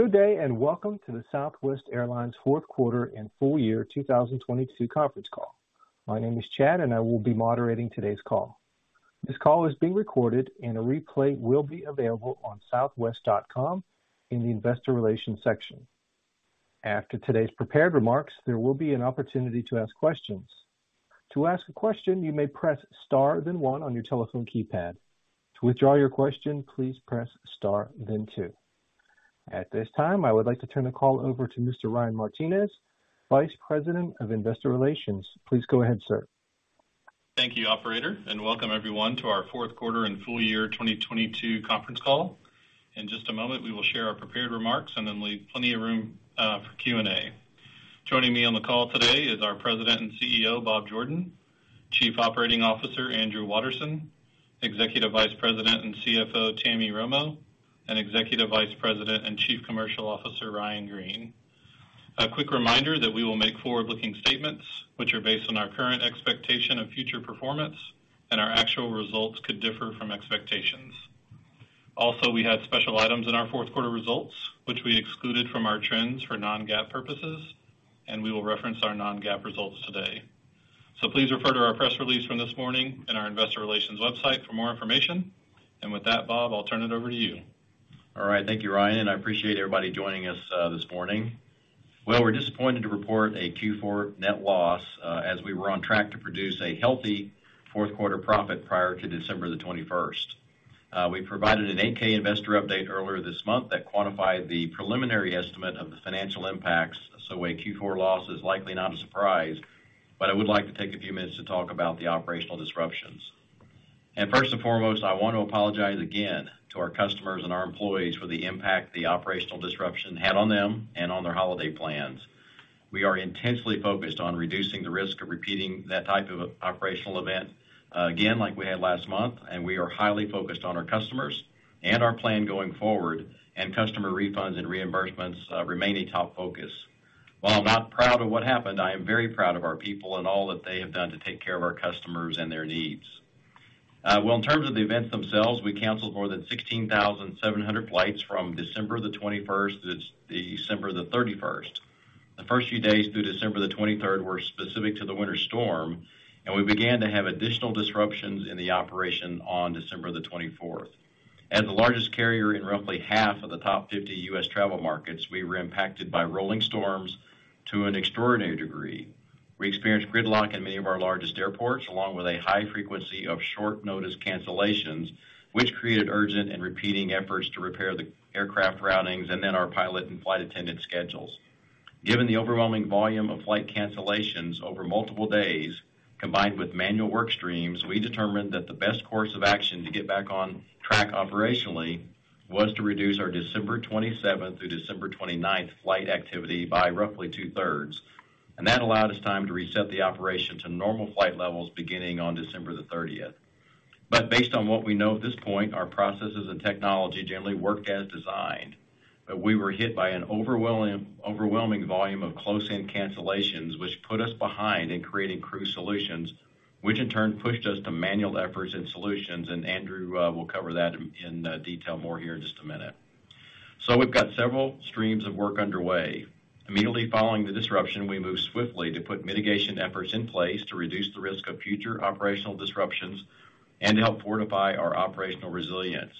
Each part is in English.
Good day, welcome to the Southwest Airlines fourth quarter and full year 2022 conference call. My name is Chad, and I will be moderating today's call. This call is being recorded, and a replay will be available on southwest.com in the Investor Relations section. After today's prepared remarks, there will be an opportunity to ask questions. To ask a question, you may press star then one on your telephone keypad. To withdraw your question, please press star then two. At this time, I would like to turn the call over to Mr. Ryan Martinez, Vice President of Investor Relations. Please go ahead, sir. Thank you, operator. Welcome everyone to our fourth quarter and full year 2022 conference call. In just a moment, we will share our prepared remarks and then leave plenty of room for Q&A. Joining me on the call today is our President and CEO, Bob Jordan, Chief Operating Officer, Andrew Watterson, Executive Vice President and CFO, Tammy Romo, and Executive Vice President and Chief Commercial Officer, Ryan Green. A quick reminder that we will make forward-looking statements which are based on our current expectation of future performance, and our actual results could differ from expectations. Also, we had special items in our fourth quarter results, which we excluded from our trends for non-GAAP purposes, and we will reference our non-GAAP results today. Please refer to our press release from this morning in our investor relations website for more information. With that, Bob, I'll turn it over to you. All right. Thank you, Ryan, I appreciate everybody joining us this morning. Well, we're disappointed to report a Q4 net loss, as we were on track to produce a healthy fourth quarter profit prior to December 21st. We provided a Form 8-K investor update earlier this month that quantified the preliminary estimate of the financial impacts. A Q4 loss is likely not a surprise, I would like to take a few minutes to talk about the operational disruptions. First and foremost, I want to apologize again to our customers and our employees for the impact the operational disruption had on them and on their holiday plans. We are intensely focused on reducing the risk of repeating that type of operational event again, like we had last month. We are highly focused on our customers and our plan going forward, and customer refunds and reimbursements remain a top focus. While I'm not proud of what happened, I am very proud of our people and all that they have done to take care of our customers and their needs. Well, in terms of the events themselves, we canceled more than 16,700 flights from December the 21st-December the 31st. The first few days through December the 23rd were specific to the winter storm. We began to have additional disruptions in the operation on December the 24th. As the largest carrier in roughly half of the top 50 U.S. travel markets, we were impacted by rolling storms to an extraordinary degree. We experienced gridlock in many of our largest airports, along with a high frequency of short notice cancellations, which created urgent and repeating efforts to repair the aircraft routings and then our pilot and flight attendant schedules. Given the overwhelming volume of flight cancellations over multiple days, combined with manual work streams, we determined that the best course of action to get back on track operationally was to reduce our December 27th through December 29th flight activity by roughly 2/3, and that allowed us time to reset the operation to normal flight levels beginning on December 30th. Based on what we know at this point, our processes and technology generally worked as designed. We were hit by an overwhelming volume of close-in cancellations, which put us behind in creating crew solutions, which in turn pushed us to manual efforts and solutions, and Andrew will cover that in detail more here in just a minute. We've got several streams of work underway. Immediately following the disruption, we moved swiftly to put mitigation efforts in place to reduce the risk of future operational disruptions and help fortify our operational resilience.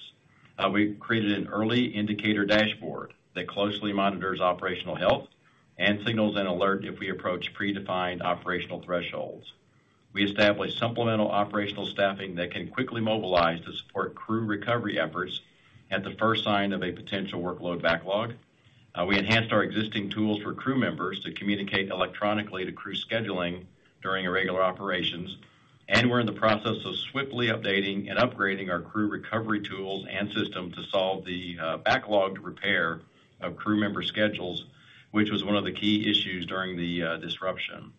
We created an early indicator dashboard that closely monitors operational health and signals an alert if we approach predefined operational thresholds. We established supplemental operational staffing that can quickly mobilize to support crew recovery efforts at the first sign of a potential workload backlog. We enhanced our existing tools for crew members to communicate electronically to crew scheduling during irregular operations. We're in the process of swiftly updating and upgrading our crew recovery tools and system to solve the backlogged repair of crew member schedules, which was one of the key issues during the disruption.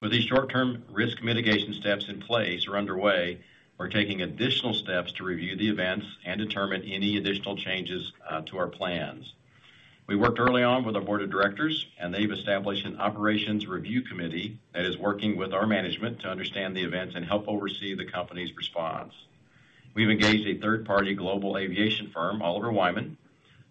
With these short-term risk mitigation steps in place or underway, we're taking additional steps to review the events and determine any additional changes to our plans. We worked early on with our board of directors, and they've established an operations review committee that is working with our management to understand the events and help oversee the company's response. We've engaged a third-party global aviation firm, Oliver Wyman,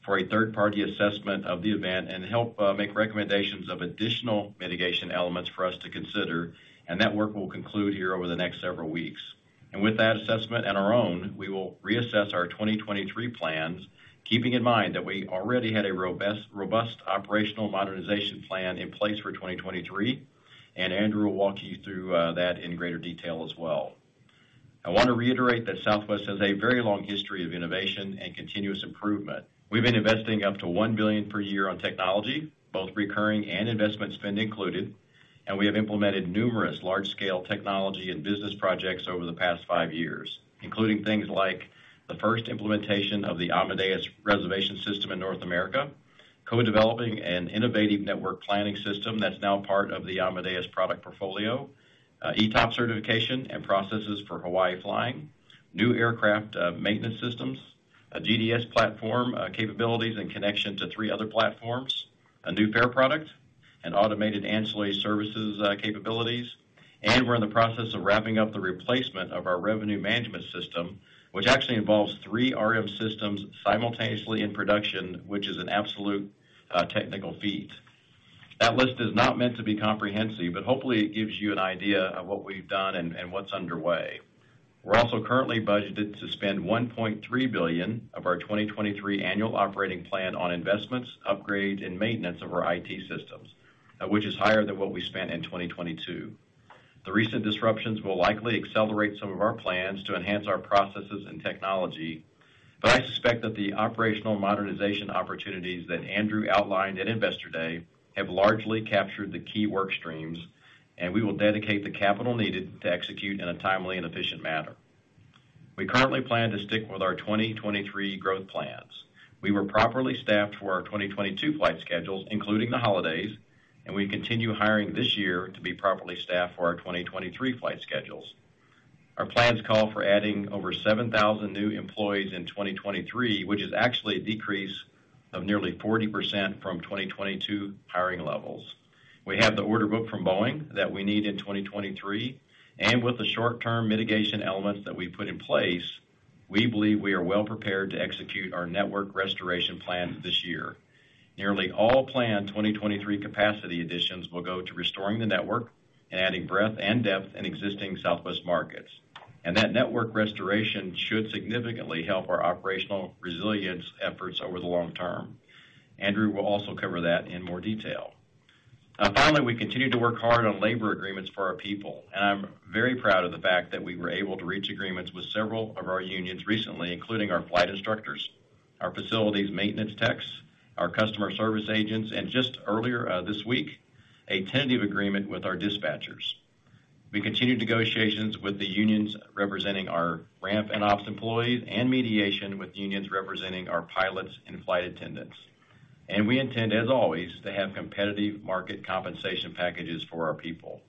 for a third-party assessment of the event and help make recommendations of additional mitigation elements for us to consider and that work will conclude here over the next several weeks. With that assessment and our own, we will reassess our 2023 plans, keeping in mind that we already had a robust operational modernization plan in place for 2023. Andrew will walk you through that in greater detail as well. I wanna reiterate that Southwest has a very long history of innovation and continuous improvement. We've been investing up to $1 billion per year on technology, both recurring and investment spend included. We have implemented numerous large-scale technology and business projects over the past five years, including things like the first implementation of the Amadeus reservation system in North America, co-developing an innovative network planning system that's now part of the Amadeus product portfolio, ETOPS certification and processes for Hawaii flying, new aircraft, maintenance systems, a GDS platform, capabilities and connection to three other platforms, a new fare product. Automated ancillary services, capabilities. We're in the process of wrapping up the replacement of our revenue management system, which actually involves three RM systems simultaneously in production, which is an absolute technical feat. That list is not meant to be comprehensive, but hopefully it gives you an idea of what we've done and what's underway. We're also currently budgeted to spend $1.3 billion of our 2023 annual operating plan on investments, upgrades, and maintenance of our IT systems, which is higher than what we spent in 2022. The recent disruptions will likely accelerate some of our plans to enhance our processes and technology. I suspect that the operational modernization opportunities that Andrew outlined at Investor Day have largely captured the key work streams, and we will dedicate the capital needed to execute in a timely and efficient manner. We currently plan to stick with our 2023 growth plans. We were properly staffed for our 2022 flight schedules, including the holidays, and we continue hiring this year to be properly staffed for our 2023 flight schedules. Our plans call for adding over 7,000 new employees in 2023, which is actually a decrease of nearly 40% from 2022 hiring levels. We have the order book from Boeing that we need in 2023, with the short-term mitigation elements that we put in place, we believe we are well prepared to execute our network restoration plan this year. Nearly all planned 2023 capacity additions will go to restoring the network and adding breadth and depth in existing Southwest markets. That network restoration should significantly help our operational resilience efforts over the long term. Andrew will also cover that in more detail. Finally, we continue to work hard on labor agreements for our people, and I'm very proud of the fact that we were able to reach agreements with several of our unions recently, including our flight instructors, our facilities maintenance techs, our customer service agents, and just earlier this week, a tentative agreement with our dispatchers. We continue negotiations with the unions representing our ramp and ops employees and mediation with unions representing our pilots and flight attendants. We intend, as always, to have competitive market compensation packages for our people.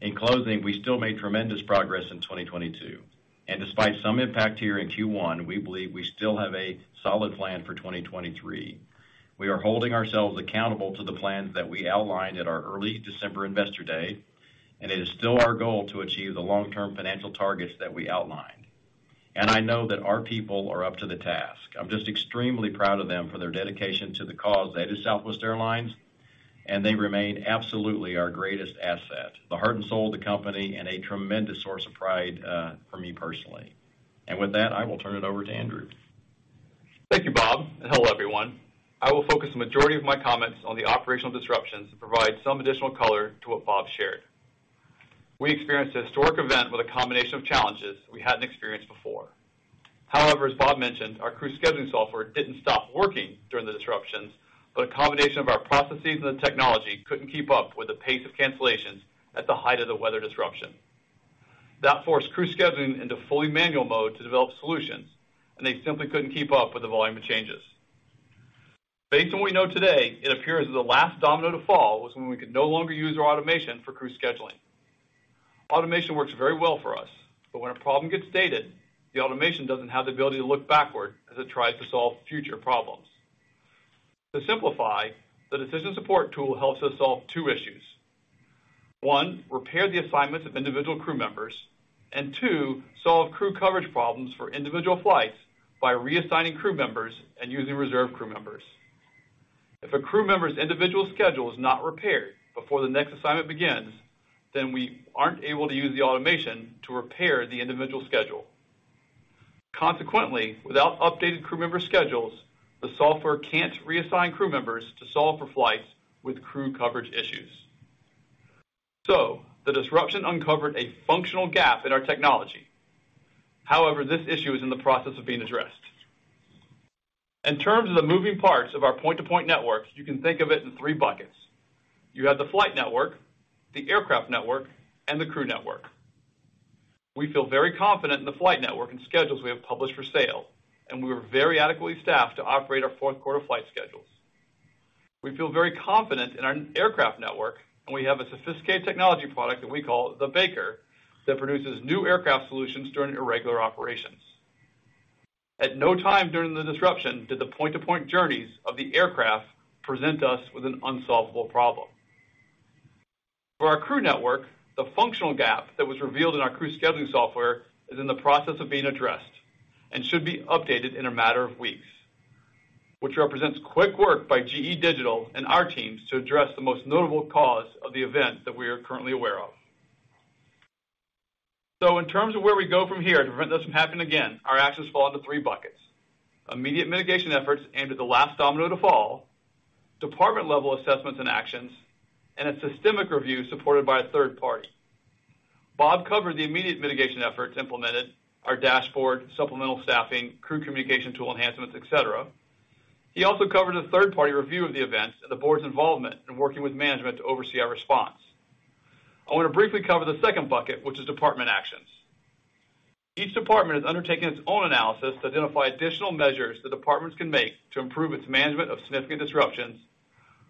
In closing, we still made tremendous progress in 2022, and despite some impact here in Q1, we believe we still have a solid plan for 2023. We are holding ourselves accountable to the plans that we outlined at our early December Investor Day, and it is still our goal to achieve the long-term financial targets that we outlined. I know that our people are up to the task. I'm just extremely proud of them for their dedication to the cause. They do Southwest Airlines, and they remain absolutely our greatest asset, the heart and soul of the company, and a tremendous source of pride for me personally. With that, I will turn it over to Andrew. Thank you, Bob. Hello, everyone. I will focus the majority of my comments on the operational disruptions and provide some additional color to what Bob shared. We experienced a historic event with a combination of challenges we hadn't experienced before. However, as Bob mentioned, our crew scheduling software didn't stop working during the disruptions. A combination of our processes and the technology couldn't keep up with the pace of cancellations at the height of the weather disruption. That forced crew scheduling into fully manual mode to develop solutions. They simply couldn't keep up with the volume of changes. Based on what we know today, it appears that the last domino to fall was when we could no longer use our automation for crew scheduling. Automation works very well for us, but when a problem gets dated, the automation doesn't have the ability to look backward as it tries to solve future problems. To simplify, the decision support tool helps us solve two issues. one, repair the assignments of individual crew members. two, solve crew coverage problems for individual flights by reassigning crew members and using reserve crew members. If a crew member's individual schedule is not repaired before the next assignment begins, then we aren't able to use the automation to repair the individual schedule. Consequently, without updated crew member schedules, the software can't reassign crew members to solve for flights with crew coverage issues. The disruption uncovered a functional gap in our technology. However, this issue is in the process of being addressed. In terms of the moving parts of our point-to-point networks, you can think of it in three buckets. You have the flight network, the aircraft network, and the crew network. We feel very confident in the flight network and schedules we have published for sale, and we are very adequately staffed to operate our fourth quarter flight schedules. We feel very confident in our aircraft network, and we have a sophisticated technology product that we call The Packer that produces new aircraft solutions during irregular operations. At no time during the disruption did the point-to-point journeys of the aircraft present us with an unsolvable problem. For our crew network, the functional gap that was revealed in our crew scheduling software is in the process of being addressed and should be updated in a matter of weeks, which represents quick work by GE Digital and our teams to address the most notable cause of the events that we are currently aware of. In terms of where we go from here to prevent this from happening again, our actions fall into three buckets. Immediate mitigation efforts aimed at the last domino to fall, department-level assessments and actions, and a systemic review supported by a third party. Bob covered the immediate mitigation efforts implemented, our dashboard, supplemental staffing, crew communication tool enhancements, et cetera. He also covered a third-party review of the events and the board's involvement in working with management to oversee our response. I want to briefly cover the second bucket, which is department actions. Each department has undertaken its own analysis to identify additional measures the departments can make to improve its management of significant disruptions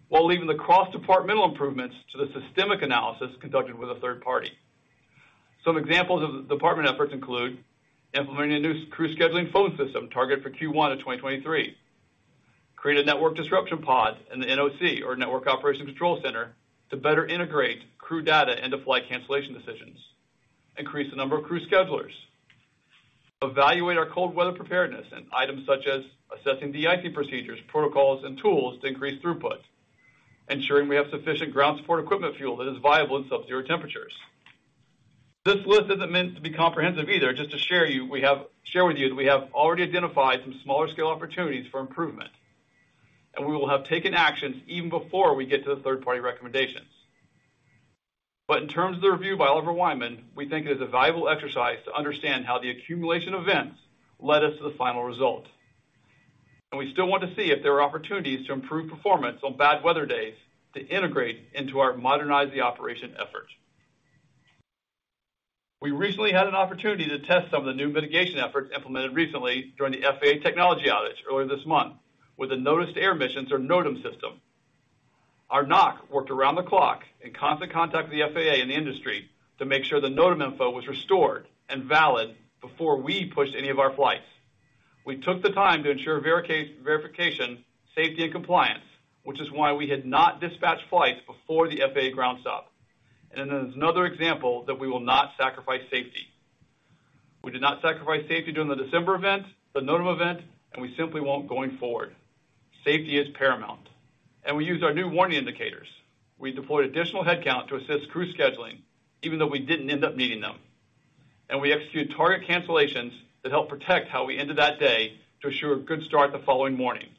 while leaving the cross-departmental improvements to the systemic analysis conducted with a third party. Some examples of the department efforts include implementing a new crew scheduling phone system targeted for Q1 of 2023. Create a network disruption pod in the NOC or Network Operations Control Center to better integrate crew data into flight cancellation decisions. Increase the number of crew schedulers. Evaluate our cold weather preparedness and items such as assessing deicing procedures, protocols and tools to increase throughput, ensuring we have sufficient ground support equipment fuel that is viable in sub-zero temperatures. This list isn't meant to be comprehensive either. Just to share with you that we have already identified some smaller scale opportunities for improvement, and we will have taken actions even before we get to the third-party recommendations. In terms of the review by Oliver Wyman, we think it is a valuable exercise to understand how the accumulation events led us to the final result. We still want to see if there are opportunities to improve performance on bad weather days to integrate into our modernize the operation efforts. We recently had an opportunity to test some of the new mitigation efforts implemented recently during the FAA technology outage earlier this month with a Notice to Air Missions or NOTAM system. Our NOC worked around the clock in constant contact with the FAA and the industry to make sure the NOTAM info was restored and valid before we pushed any of our flights. We took the time to ensure verification, safety and compliance, which is why we had not dispatched flights before the FAA ground stop. There's another example that we will not sacrifice safety. We did not sacrifice safety during the December event, the NOTAM event, and we simply won't going forward. Safety is paramount. We used our new warning indicators. We deployed additional headcount to assist crew scheduling even though we didn't end up needing them. We executed target cancellations that helped protect how we ended that day to ensure a good start the following morning.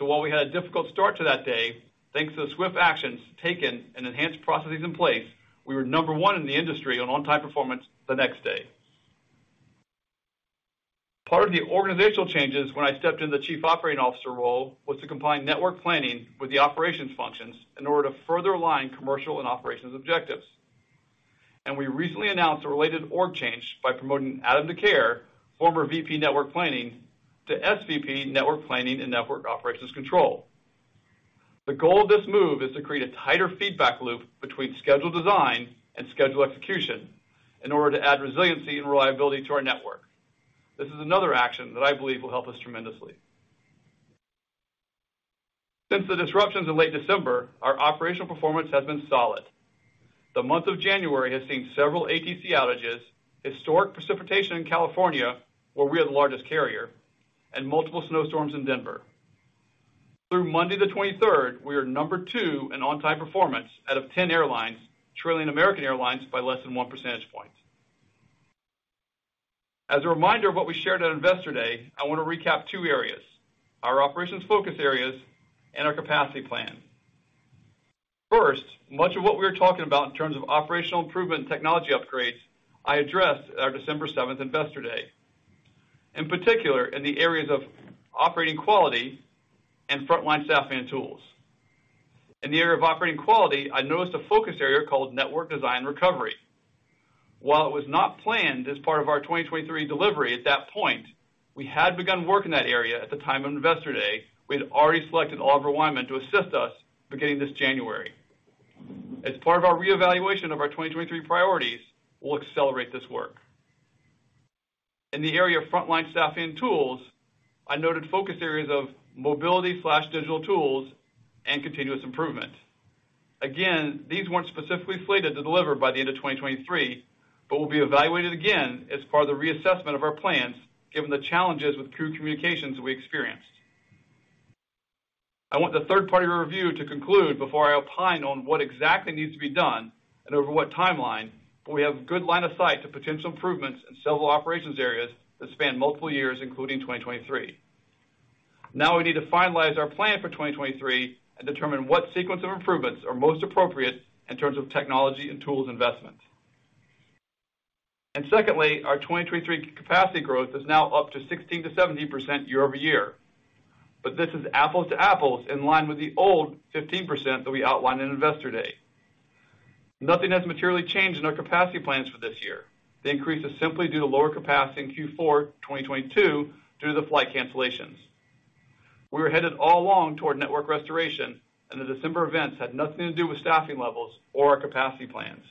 While we had a difficult start to that day, thanks to the swift actions taken and enhanced processes in place, we were number one in the industry on time performance the next day. Part of the organizational changes when I stepped into the Chief Operating Officer role was to combine Network Planning with the operations functions in order to further align commercial and operations objectives. We recently announced a related org change by promoting Adam Decaire, former VP Network Planning to SVP Network Planning and Network Operations Control. The goal of this move is to create a tighter feedback loop between schedule design and schedule execution in order to add resiliency and reliability to our network. This is another action that I believe will help us tremendously. Since the disruptions in late December, our operational performance has been solid. The month of January has seen several ATC outages, historic precipitation in California, where we are the largest carrier, and multiple snowstorms in Denver. Through Monday the 23rd, we are number two in on-time performance out of 10 airlines, trailing American Airlines by less than 1 percentage point. As a reminder of what we shared at Investor Day, I want to recap two areas, our operations focus areas and our capacity plan. First, much of what we were talking about in terms of operational improvement and technology upgrades I addressed at our December seventh Investor Day, in particular in the areas of operating quality and frontline staffing and tools. In the area of operating quality, I noticed a focus area called network design recovery. While it was not planned as part of our 2023 delivery at that point, we had begun work in that area at the time of Investor Day. We had already selected Oliver Wyman to assist us beginning this January. As part of our reevaluation of our 2023 priorities, we'll accelerate this work. In the area of frontline staffing and tools, I noted focus areas of mobility/digital tools and continuous improvement. These weren't specifically slated to deliver by the end of 2023, but will be evaluated again as part of the reassessment of our plans, given the challenges with crew communications we experienced. I want the third party review to conclude before I opine on what exactly needs to be done and over what timeline, but we have good line of sight to potential improvements in several operations areas that span multiple years, including 2023. Now we need to finalize our plan for 2023 and determine what sequence of improvements are most appropriate in terms of technology and tools investments. Secondly, our 2023 capacity growth is now up to 16%-17% year-over-year. This is apples to apples in line with the old 15% that we outlined in Investor Day. Nothing has materially changed in our capacity plans for this year. The increase is simply due to lower capacity in Q4 2022 due to the flight cancellations. We were headed all along toward network restoration. The December events had nothing to do with staffing levels or our capacity plans.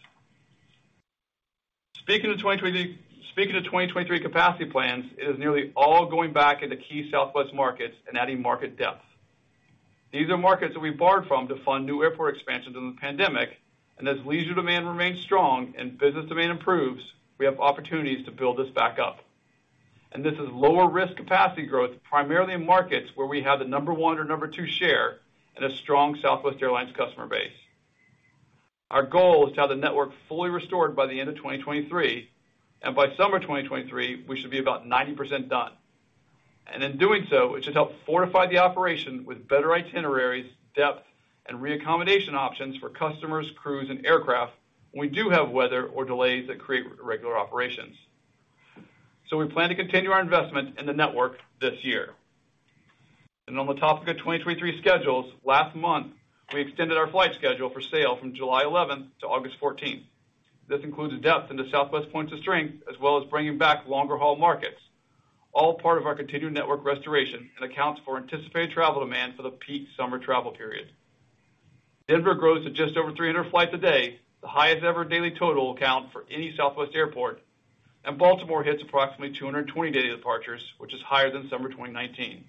Speaking of 2023 capacity plans, it is nearly all going back into key Southwest markets and adding market depth. These are markets that we borrowed from to fund new airport expansions in the pandemic. As leisure demand remains strong and business demand improves, we have opportunities to build this back up. This is lower risk capacity growth primarily in markets where we have the number one or number two share and a strong Southwest Airlines customer base. Our goal is to have the network fully restored by the end of 2023, by summer 2023, we should be about 90% done. In doing so, it should help fortify the operation with better itineraries, depth, and reaccommodation options for customers, crews, and aircraft when we do have weather or delays that create irregular operations. We plan to continue our investment in the network this year. On the topic of 2023 schedules, last month, we extended our flight schedule for sale from July 11th-August 14th. This includes depth into Southwest points of strength as well as bringing back longer haul markets, all part of our continued network restoration and accounts for anticipated travel demand for the peak summer travel period. Denver grows to just over 300 flights a day, the highest ever daily total count for any Southwest airport, and Baltimore hits approximately 220 daily departures, which is higher than summer 2019.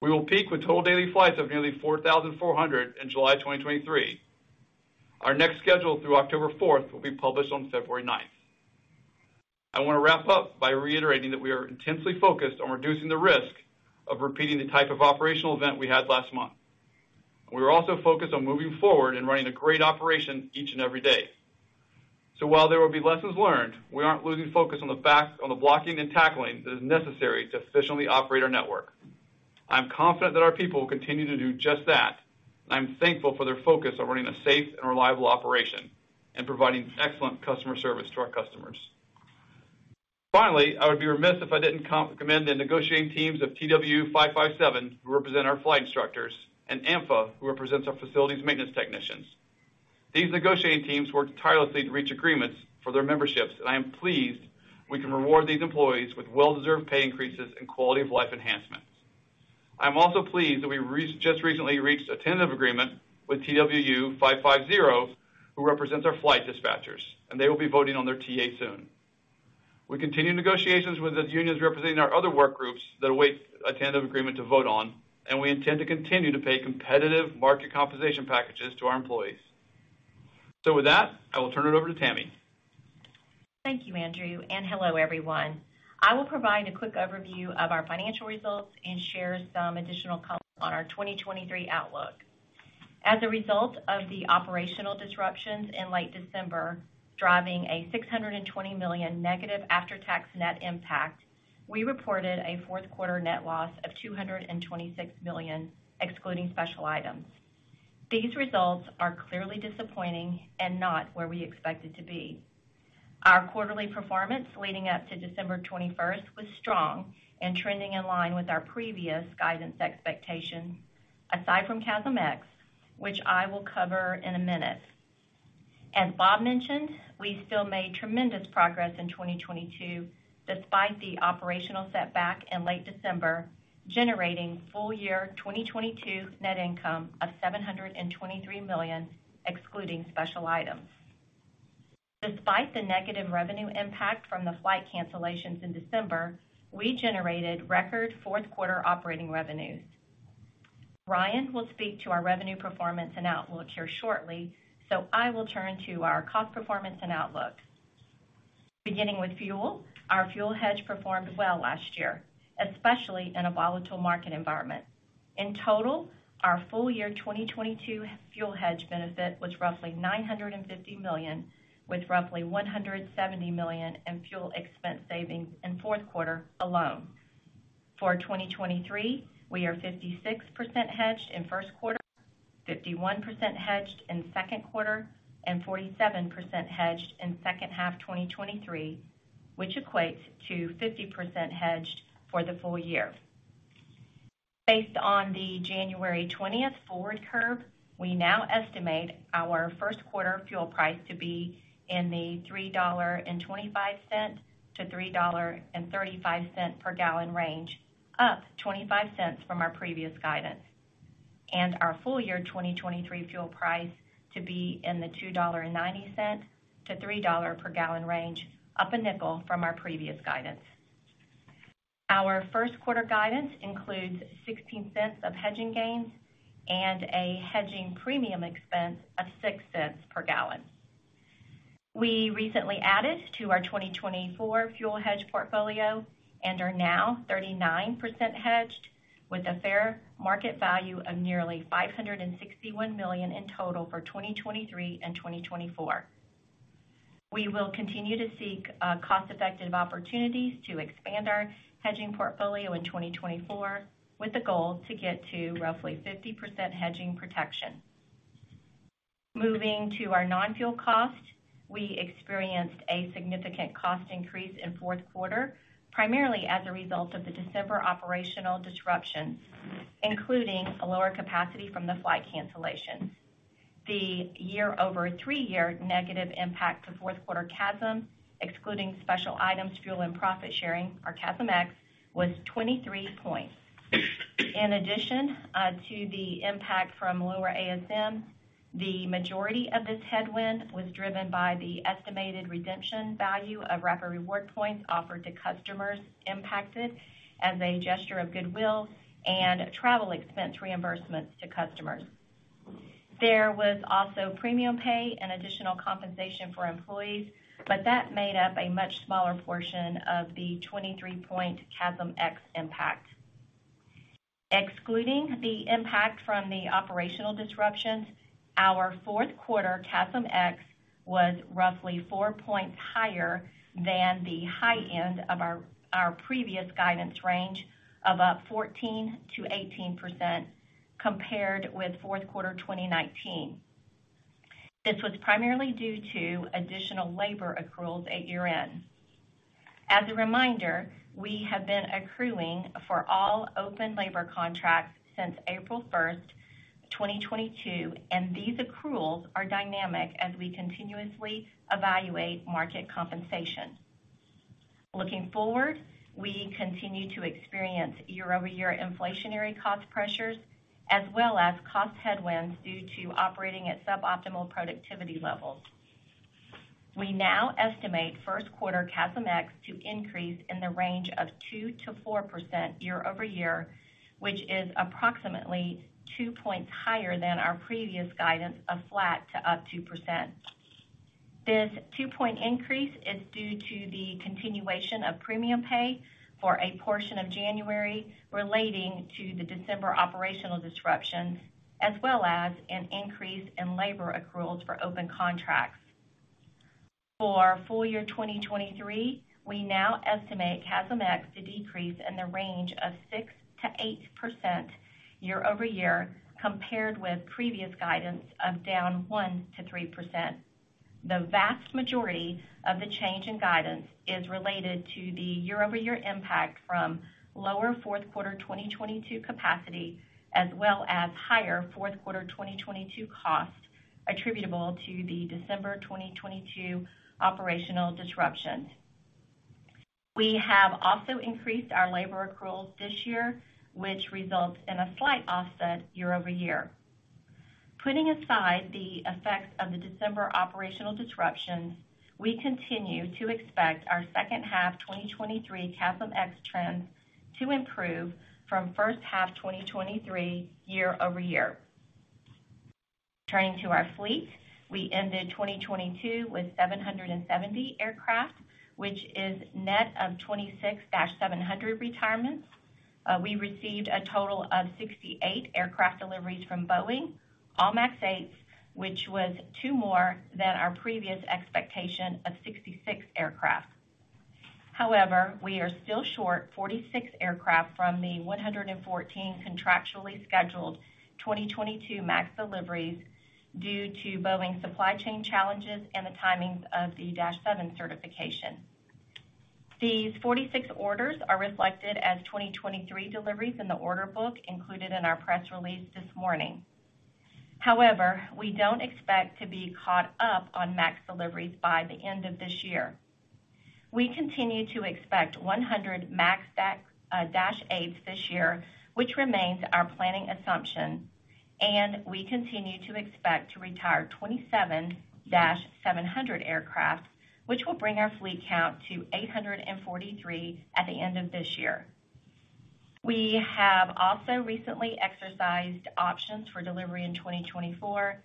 We will peak with total daily flights of nearly 4,400 in July 2023. Our next schedule through October 4th will be published on February 9th. I want to wrap up by reiterating that we are intensely focused on reducing the risk of repeating the type of operational event we had last month. We are also focused on moving forward and running a great operation each and every day. While there will be lessons learned, we aren't losing focus on the blocking and tackling that is necessary to efficiently operate our network. I'm confident that our people will continue to do just that. I'm thankful for their focus on running a safe and reliable operation and providing excellent customer service to our customers. Finally, I would be remiss if I didn't commend the negotiating teams of TWU 557, who represent our flight instructors, and AMFA, who represents our facilities maintenance technicians. These negotiating teams worked tirelessly to reach agreements for their memberships, and I am pleased we can reward these employees with well-deserved pay increases and quality of life enhancements. I'm also pleased that we just recently reached a tentative agreement with TWU 550, who represents our flight dispatchers, and they will be voting on their TA soon. We continue negotiations with the unions representing our other work groups that await a tentative agreement to vote on, and we intend to continue to pay competitive market compensation packages to our employees. With that, I will turn it over to Tammy. Thank you, Andrew. Hello, everyone. I will provide a quick overview of our financial results and share some additional comments on our 2023 outlook. As a result of the operational disruptions in late December, driving a $620 million negative after-tax net impact, we reported a fourth quarter net loss of $226 million, excluding special items. These results are clearly disappointing and not where we expected to be. Our quarterly performance leading up to December 21st was strong and trending in line with our previous guidance expectations, aside from CASM-X, which I will cover in a minute. As Bob mentioned, we still made tremendous progress in 2022 despite the operational setback in late December, generating full year 2022 net income of $723 million, excluding special items. Despite the negative revenue impact from the flight cancellations in December, we generated record fourth quarter operating revenues. Ryan will speak to our revenue performance and outlook here shortly. I will turn to our cost performance and outlook. Beginning with fuel, our fuel hedge performed well last year, especially in a volatile market environment. In total, our full year 2022 fuel hedge benefit was roughly $950 million, with roughly $170 million in fuel expense savings in fourth quarter alone. For 2023, we are 56% hedged in first quarter, 51% hedged in second quarter, and 47% hedged in second half 2023, which equates to 50% hedged for the full year. Based on the January 20th forward curve, we now estimate our first quarter fuel price to be in the $3.25-$3.35 per gallon range, up $0.25 from our previous guidance, and our full year 2023 fuel price to be in the $2.90-$3 per gallon range, up $0.05 from our previous guidance. Our first quarter guidance includes $0.16 of hedging gains and a hedging premium expense of $0.06 per gallon. We recently added to our 2024 fuel hedge portfolio and are now 39% hedged with a fair market value of nearly $561 million in total for 2023 and 2024. We will continue to seek cost-effective opportunities to expand our hedging portfolio in 2024 with the goal to get to roughly 50% hedging protection. Moving to our non-fuel cost, we experienced a significant cost increase in fourth quarter, primarily as a result of the December operational disruptions, including a lower capacity from the flight cancellations. The year-over-three-year negative impact to fourth quarter CASM, excluding special items, fuel and profit sharing, our CASM-X, was 23 points. In addition, to the impact from lower ASM, the majority of this headwind was driven by the estimated redemption value of Rapid Rewards points offered to customers impacted as a gesture of goodwill and travel expense reimbursements to customers. There was also premium pay and additional compensation for employees, but that made up a much smaller portion of the 23-point CASM-X impact. Excluding the impact from the operational disruptions, our fourth quarter CASM-X was roughly four points higher than the high end of our previous guidance range of 14%-18% compared with fourth quarter 2019. This was primarily due to additional labor accruals at year-end. As a reminder, we have been accruing for all open labor contracts since April 1st, 2022, and these accruals are dynamic as we continuously evaluate market compensation. Looking forward, we continue to experience year-over-year inflationary cost pressures as well as cost headwinds due to operating at suboptimal productivity levels. We now estimate 1st quarter CASM-X to increase in the range of 2%-4% year-over-year, which is approximately two points higher than our previous guidance of flat to up 2%. This two-point increase is due to the continuation of premium pay for a portion of January relating to the December operational disruptions, as well as an increase in labor accruals for open contracts. For full year 2023, we now estimate CASM-X to decrease in the range of 6%-8% year-over-year compared with previous guidance of down 1%-3%. The vast majority of the change in guidance is related to the year-over-year impact from lower fourth quarter 2022 capacity as well as higher fourth quarter 2022 costs attributable to the December 2022 operational disruptions. We have also increased our labor accruals this year, which results in a slight offset year-over-year. Putting aside the effects of the December operational disruptions, we continue to expect our second half 2023 CASM-X trends to improve from first half 2023 year-over-year. Turning to our fleet, we ended 2022 with 770 aircraft, which is net of 26 700 retirements. We received a total of 68 aircraft deliveries from Boeing, all MAX 8s, which was two more than our previous expectation of 66 aircraft. However, we are still short 46 aircraft from the 114 contractually scheduled 2022 MAX deliveries due to Boeing supply chain challenges and the timings of the DASH7 certification. These 46 orders are reflected as 2023 deliveries in the order book included in our press release this morning. However, we don't expect to be caught up on MAX deliveries by the end of this year. We continue to expect 100 Max -8s this year, which remains our planning assumption. We continue to expect to retire 27-700 aircraft, which will bring our fleet count to 843 at the end of this year. We have also recently exercised options for delivery in 2024,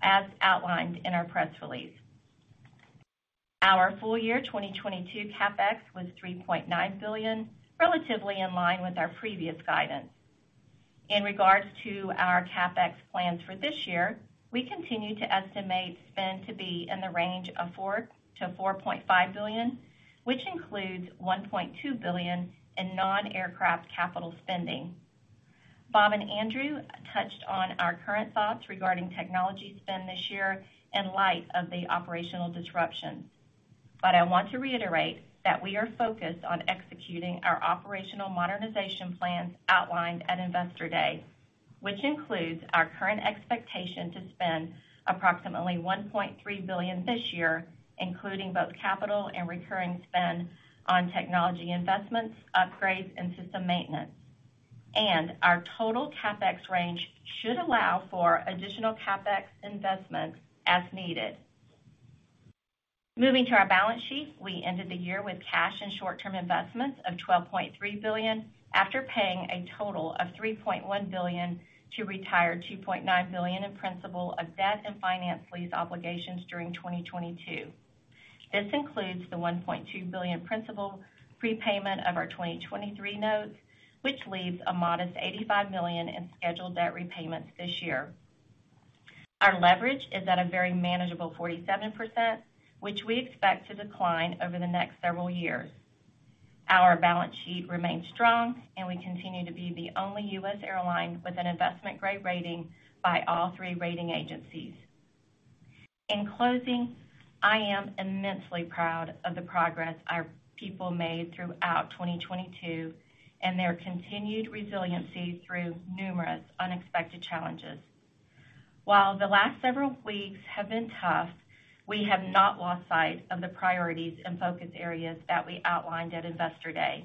as outlined in our press release. Our full year 2022 CapEx was $3.9 billion, relatively in line with our previous guidance. In regards to our CapEx plans for this year, we continue to estimate spend to be in the range of $4 billion-$4.5 billion, which includes $1.2 billion in non-aircraft capital spending. Bob and Andrew touched on our current thoughts regarding technology spend this year in light of the operational disruptions. I want to reiterate that we are focused on executing our operational modernization plans outlined at Investor Day, which includes our current expectation to spend approximately $1.3 billion this year, including both capital and recurring spend on technology investments, upgrades, and system maintenance. Our total CapEx range should allow for additional CapEx investments as needed. Moving to our balance sheet. We ended the year with cash and short-term investments of $12.3 billion after paying a total of $3.1 billion to retire $2.9 billion in principal of debt and finance lease obligations during 2022. This includes the $1.2 billion principal prepayment of our 2023 notes, which leaves a modest $85 million in scheduled debt repayments this year. Our leverage is at a very manageable 47%, which we expect to decline over the next several years. Our balance sheet remains strong and we continue to be the only U.S. airline with an investment-grade rating by all three rating agencies. In closing, I am immensely proud of the progress our people made throughout 2022 and their continued resiliency through numerous unexpected challenges. While the last several weeks have been tough, we have not lost sight of the priorities and focus areas that we outlined at Investor Day.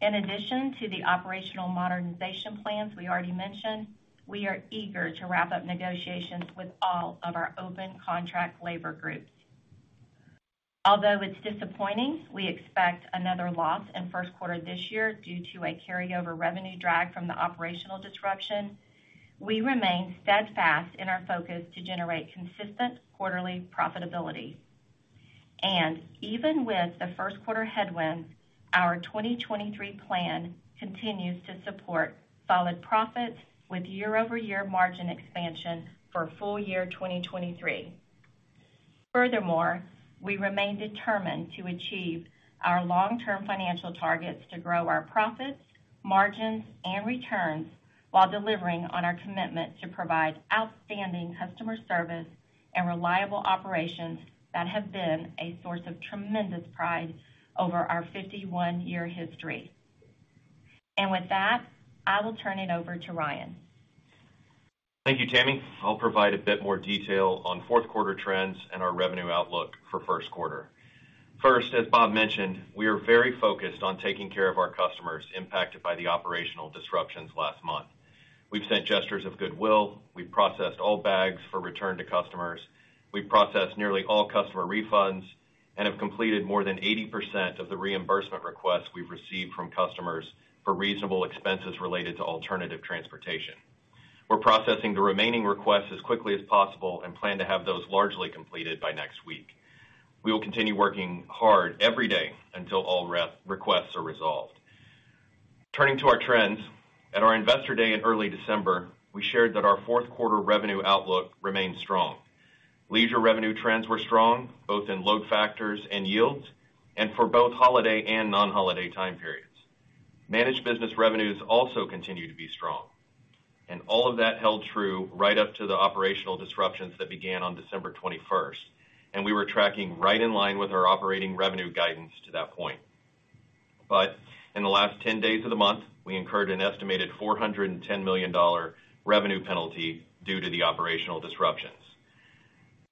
In addition to the operational modernization plans we already mentioned, we are eager to wrap up negotiations with all of our open contract labor groups. Although it's disappointing, we expect another loss in first quarter this year due to a carryover revenue drag from the operational disruption, we remain steadfast in our focus to generate consistent quarterly profitability. Even with the first quarter headwinds, our 2023 plan continues to support solid profits with year-over-year margin expansion for full year 2023. Furthermore, we remain determined to achieve our long-term financial targets to grow our profits, margins and returns while delivering on our commitment to provide outstanding customer service and reliable operations that have been a source of tremendous pride over our 51-year history. With that, I will turn it over to Ryan. Thank you, Tammy. I'll provide a bit more detail on fourth quarter trends and our revenue outlook for first quarter. First, as Bob mentioned, we are very focused on taking care of our customers impacted by the operational disruptions last month. We've sent gestures of goodwill, we've processed all bags for return to customers, we've processed nearly all customer refunds, and have completed more than 80% of the reimbursement requests we've received from customers for reasonable expenses related to alternative transportation. We're processing the remaining requests as quickly as possible and plan to have those largely completed by next week. We will continue working hard every day until all requests are resolved. Turning to our trends, at our Investor Day in early December, we shared that our fourth quarter revenue outlook remained strong. Leisure revenue trends were strong, both in load factors and yields, and for both holiday and non-holiday time periods. Managed business revenues also continue to be strong. All of that held true right up to the operational disruptions that began on December 21st. We were tracking right in line with our operating revenue guidance to that point. In the last 10 days of the month, we incurred an estimated $410 million revenue penalty due to the operational disruptions.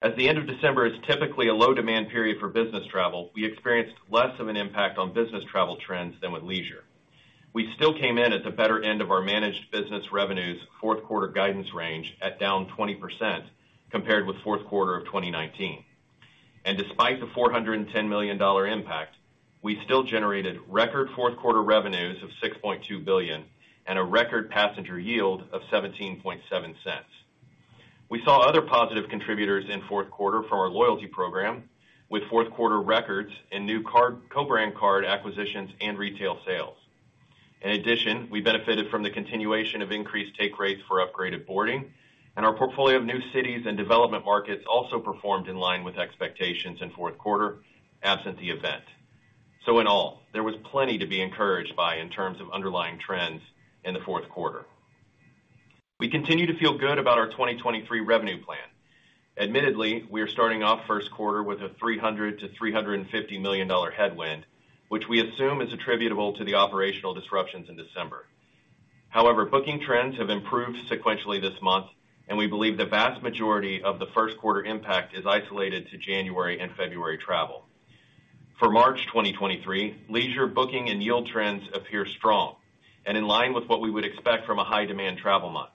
As the end of December is typically a low demand period for business travel, we experienced less of an impact on business travel trends than with leisure. We still came in at the better end of our managed business revenues fourth quarter guidance range at down 20% compared with fourth quarter of 2019. Despite the $410 million impact, we still generated record fourth quarter revenues of $6.2 billion and a record passenger yield of $0.177. We saw other positive contributors in fourth quarter from our loyalty program, with fourth quarter records and new co-brand card acquisitions and retail sales. In addition, we benefited from the continuation of increased take rates for upgraded boarding, and our portfolio of new cities and development markets also performed in line with expectations in fourth quarter, absent the event. In all, there was plenty to be encouraged by in terms of underlying trends in the fourth quarter. We continue to feel good about our 2023 revenue plan. Admittedly, we are starting off first quarter with a $300 million-$350 million headwind, which we assume is attributable to the operational disruptions in December. However, booking trends have improved sequentially this month, and we believe the vast majority of the first quarter impact is isolated to January and February travel. For March 2023, leisure booking and yield trends appear strong and in line with what we would expect from a high-demand travel month.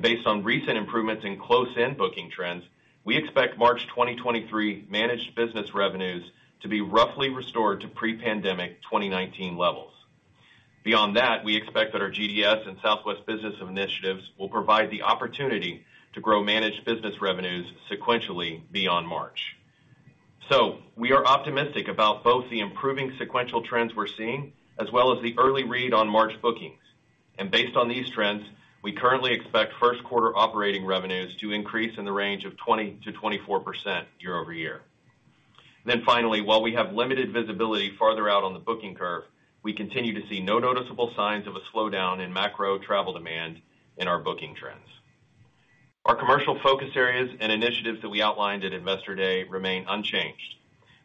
Based on recent improvements in close-end booking trends, we expect March 2023 managed business revenues to be roughly restored to pre-pandemic 2019 levels. Beyond that, we expect that our GDS and Southwest Business initiatives will provide the opportunity to grow managed business revenues sequentially beyond March. We are optimistic about both the improving sequential trends we're seeing, as well as the early read on March bookings. Based on these trends, we currently expect first quarter operating revenues to increase in the range of 20%-24% year-over-year. Finally, while we have limited visibility farther out on the booking curve, we continue to see no noticeable signs of a slowdown in macro travel demand in our booking trends. Our commercial focus areas and initiatives that we outlined at Investor Day remain unchanged.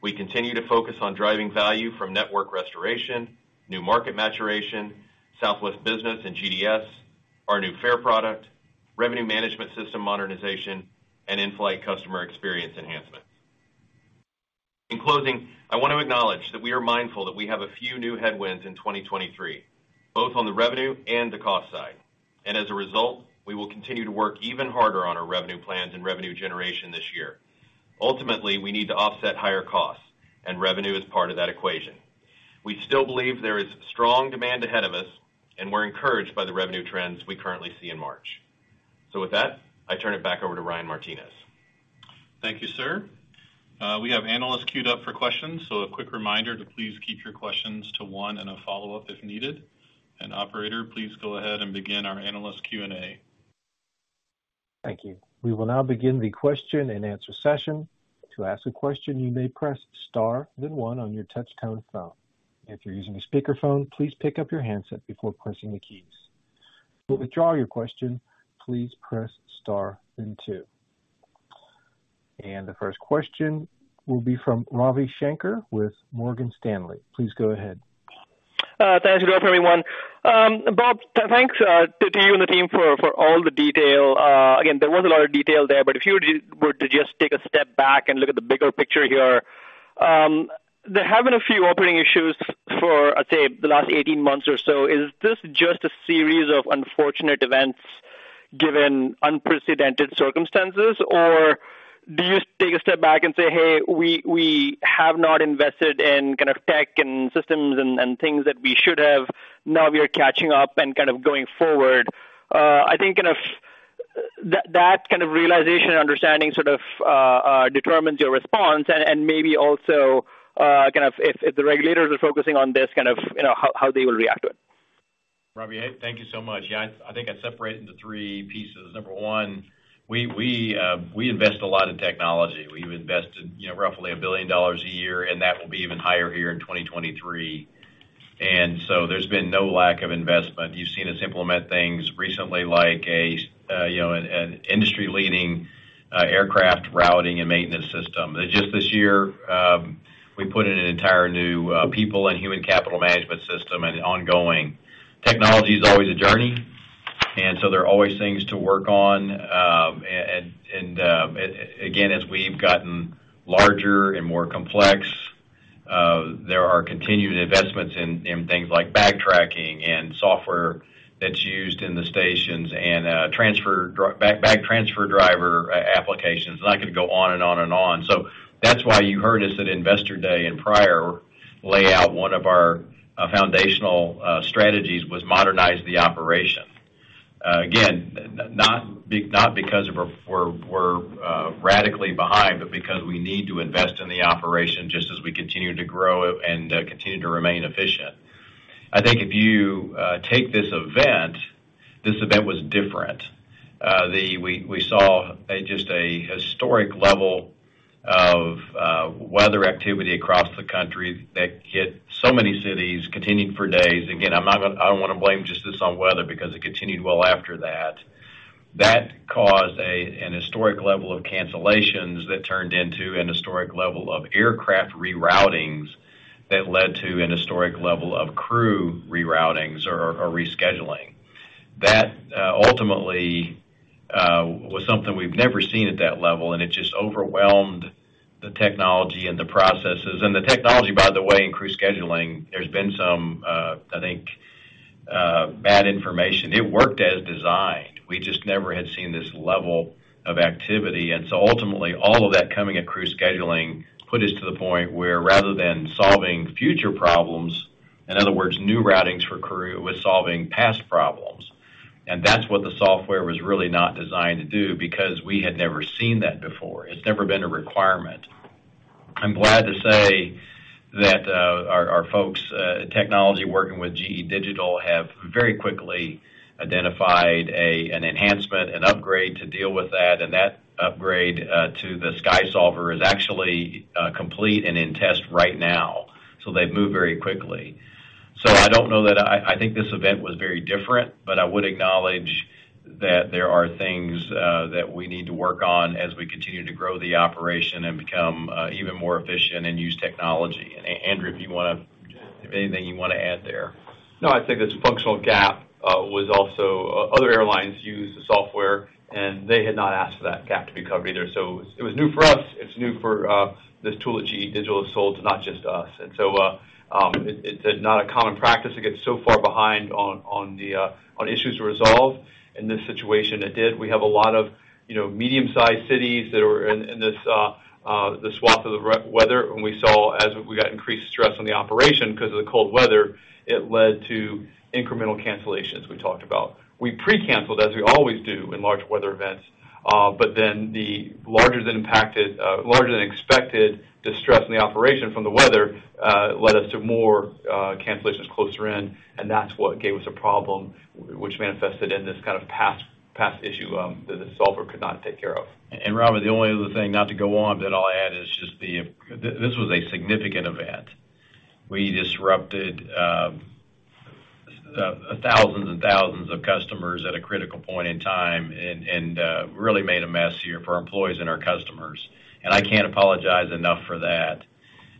We continue to focus on driving value from network restoration, new market maturation, Southwest Business and GDS, our new fare product, revenue management system modernization, and in-flight customer experience enhancements. In closing, I want to acknowledge that we are mindful that we have a few new headwinds in 2023, both on the revenue and the cost side. As a result, we will continue to work even harder on our revenue plans and revenue generation this year. Ultimately, we need to offset higher costs. Revenue is part of that equation. We still believe there is strong demand ahead of us. We're encouraged by the revenue trends we currently see in March. With that, I turn it back over to Ryan Martinez. Thank you, sir. We have analysts queued up for questions, so a quick reminder to please keep your questions to one and a follow-up if needed. Operator, please go ahead and begin our analyst Q&A. Thank you. We will now begin the question and answer session. To ask a question, you may press star then one on your touch-tone phone. If you're using a speakerphone, please pick up your handset before pressing the keys. To withdraw your question, please press star then two. The first question will be from Ravi Shanker with Morgan Stanley. Please go ahead. Thanks. Good afternoon, everyone. Bob, thanks to you and the team for all the detail. Again, there was a lot of detail there, but if you were to just take a step back and look at the bigger picture here, there have been a few operating issues for, let's say, the last 18 months or so. Is this just a series of unfortunate events given unprecedented circumstances? Or do you take a step back and say, "Hey, we have not invested in kind of tech and systems and things that we should have. Now we are catching up and kind of going forward." I think kind of that kind of realization and understanding sort of determines your response and maybe also, kind of if the regulators are focusing on this kind of, you know, how they will react to it? Ravi, thank you so much. Yeah, I think I'd separate it into three pieces. Number one, we invest a lot in technology. We've invested, you know, roughly $1 billion a year, and that will be even higher here in 2023. There's been no lack of investment. You've seen us implement things recently like an industry-leading aircraft.. routing and maintenance system. Just this year, we put in an entire new people and human capital management system and ongoing. Technology is always a journey, and so there are always things to work on. And again, as we've gotten larger and more complex, there are continued investments in things like bag tracking and software that's used in the stations and transfer bag transfer driver applications, and I could go on and on and on. So that's why you heard us at Investor Day and prior lay out one of our foundational strategies was modernize the operation. Again, not because of we're radically behind, but because we need to invest in the operation just as we continue to grow and continue to remain efficient I think if you take this event, this event was different. We saw a just a historic level of weather activity across the country that hit so many cities, continued for days. I don't wanna blame just this on weather because it continued well after that. That caused an historic level of cancellations that turned into an historic level of aircraft reroutings that led to an historic level of crew reroutings or rescheduling. That ultimately was something we've never seen at that level, and it just overwhelmed the technology and the processes. The technology, by the way, in crew scheduling, there's been some, I think, bad information. It worked as designed. We just never had seen this level of activity. Ultimately, all of that coming at crew scheduling put us to the point where rather than solving future problems, in other words, new routings for crew, was solving past problems. That's what the software was really not designed to do because we had never seen that before. It's never been a requirement. I'm glad to say that, our folks, technology working with GE Digital have very quickly identified an enhancement, an upgrade to deal with that, and that upgrade to the SkySolver is actually complete and in test right now. They've moved very quickly. I don't know that I think this event was very different, but I would acknowledge that there are things that we need to work on as we continue to grow the operation and become even more efficient and use technology. Andrew, if anything you wanna add there. No, I think it's a functional gap, was also, other airlines use the software, and they had not asked for that gap to be covered either. It was new for us. It's new for this tool that GE Digital has sold to not just us. It's not a common practice. It gets so far behind on the issues resolved. In this situation, it did. We have a lot of, you know, medium-sized cities that were in this, the swath of the weather, and we saw as we got increased stress on the operation because of the cold weather, it led to incremental cancellations we talked about. We precanceled, as we always do in large weather events, but then the larger than impacted, larger than expected distress in the operation from the weather, led us to more cancellations closer in, and that's what gave us a problem which manifested in this kind of past issue, that the solver could not take care of. Robin, the only other thing not to go on that I'll add is just this was a significant event. We disrupted thousands and thousands of customers at a critical point in time and really made a mess here for our employees and our customers. I can't apologize enough for that.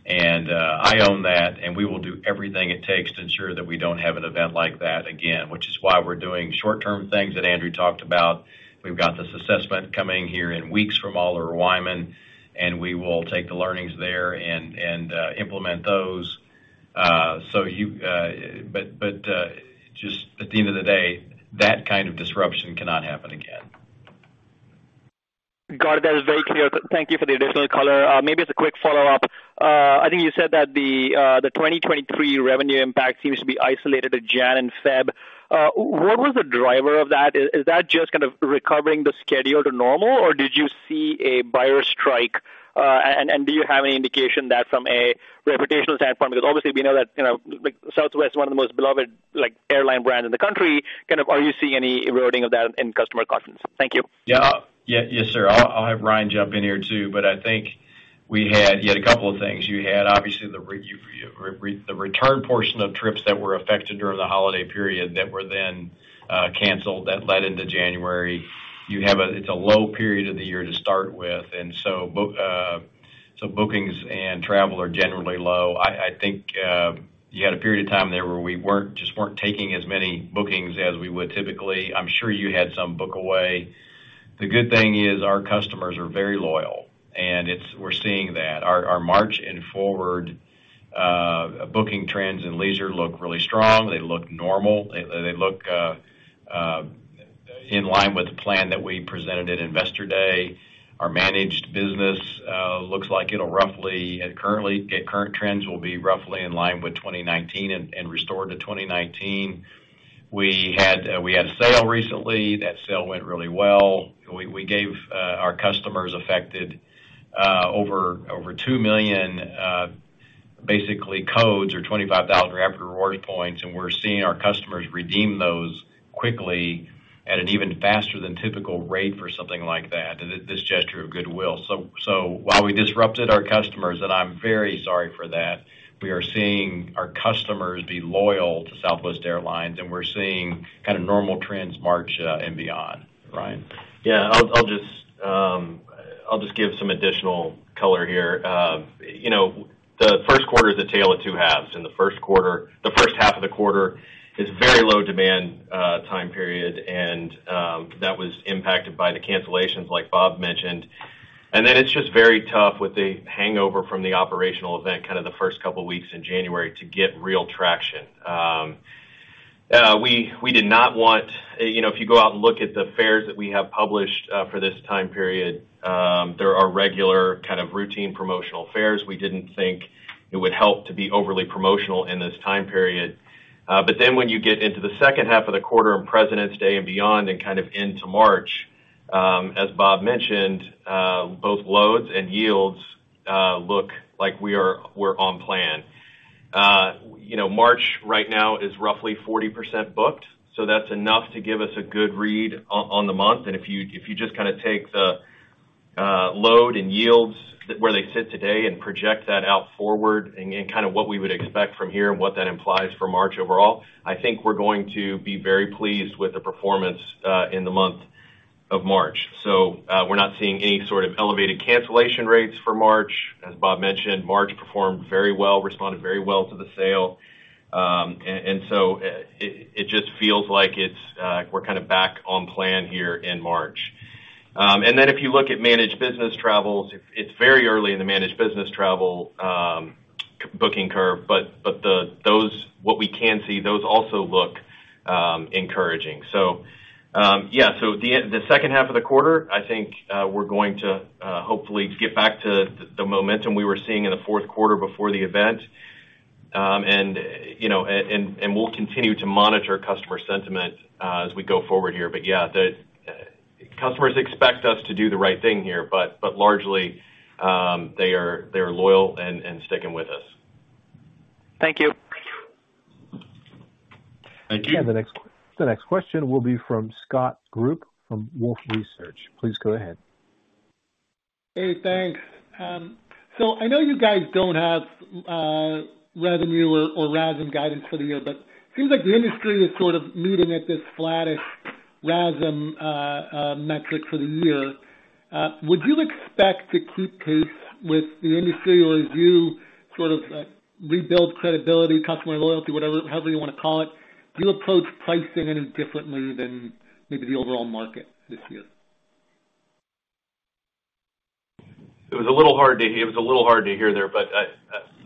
I own that, and we will do everything it takes to ensure that we don't have an event like that again, which is why we're doing short-term things that Andrew talked about. We've got this assessment coming here in weeks from Oliver Wyman, and we will take the learnings there and implement those. Just at the end of the day, that kind of disruption cannot happen again. Got it. That is very clear. Thank you for the additional color. Maybe as a quick follow-up. I think you said that the 2023 revenue impact seems to be isolated to Jan and Feb. What was the driver of that? Is that just kind of recovering the schedule to normal, or did you see a buyer strike? Do you have any indication that from a reputational standpoint? Because obviously we know that, you know, like Southwest, one of the most beloved, like airline brands in the country. Kind of, are you seeing any eroding of that in customer confidence? Thank you. Yeah. Yeah. Yes, sir. I'll have Ryan jump in here too. I think we had yet a couple of things. You had obviously the return portion of trips that were affected during the holiday period that were then canceled that led into January. You have It's a low period of the year to start with. So bookings and travel are generally low. I think you had a period of time there where we weren't, just weren't taking as many bookings as we would typically. I'm sure you had some book away. The good thing is our customers are very loyal. We're seeing that. Our March and forward booking trends in leisure look really strong. They look normal. They look in line with the plan that we presented at Investor Day. Our managed business looks like it'll roughly and currently, at current trends, will be roughly in line with 2019 and restored to 2019. We had a sale recently. That sale went really well. We gave our customers affected, over 2 million basically codes or 25,000 Rapid Rewards points, and we're seeing our customers redeem those quickly at an even faster than typical rate for something like that, this gesture of goodwill. While we disrupted our customers, and I'm very sorry for that, we are seeing our customers be loyal to Southwest Airlines, and we're seeing kind of normal trends March and beyond. Ryan. Yeah. I'll just. I'll just give some additional color here. You know, the first quarter is a tale of two halves. The first half of the quarter is very low demand, time period, that was impacted by the cancellations like Bob mentioned. It's just very tough with the hangover from the operational event kind of the first couple of weeks in January to get real traction. We did not want. You know, if you go out and look at the fares that we have published for this time period, there are regular kind of routine promotional fares. We didn't think it would help to be overly promotional in this time period. When you get into the second half of the quarter on President's Day and beyond and kind of into March, as Bob mentioned, both loads and yields look like we're on plan. You know, March right now is roughly 40% booked, so that's enough to give us a good read on the month. If you, if you just kinda take the load and yields where they sit today and project that out forward and kind of what we would expect from here and what that implies for March overall, I think we're going to be very pleased with the performance in the month of March. We're not seeing any sort of elevated cancellation rates for March. As Bob mentioned, March performed very well, responded very well to the sale. It just feels like it's we're kind of back on plan here in March. If you look at managed business travels, it's very early in the managed business travel booking curve, what we can see, those also look encouraging. The second half of the quarter, I think, we're going to hopefully get back to the momentum we were seeing in the fourth quarter before the event. You know, we'll continue to monitor customer sentiment as we go forward here. The customers expect us to do the right thing here, largely, they are loyal and sticking with us. Thank you. Thank you. The next question will be from Scott Group from Wolfe Research. Please go ahead. Hey, thanks. I know you guys don't have revenue or RASM guidance for the year, but seems like the industry is sort of meeting at this flattest RASM metric for the year. Would you expect to keep pace with the industry or as you sort of rebuild credibility, customer loyalty, however you wanna call it? Do you approach pricing any differently than maybe the overall market this year? It was a little hard to hear there, but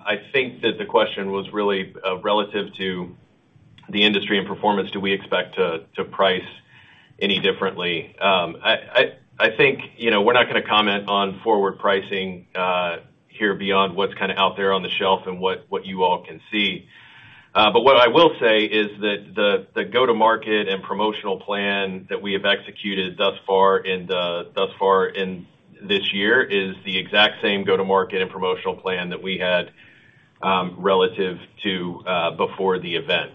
I think that the question was really relative to the industry and performance, do we expect to price any differently? I think, you know, we're not gonna comment on forward pricing here beyond what's kinda out there on the shelf and what you all can see. What I will say is that the go-to-market and promotional plan that we have executed thus far in this year is the exact same go-to-market and promotional plan that we had relative to before the event.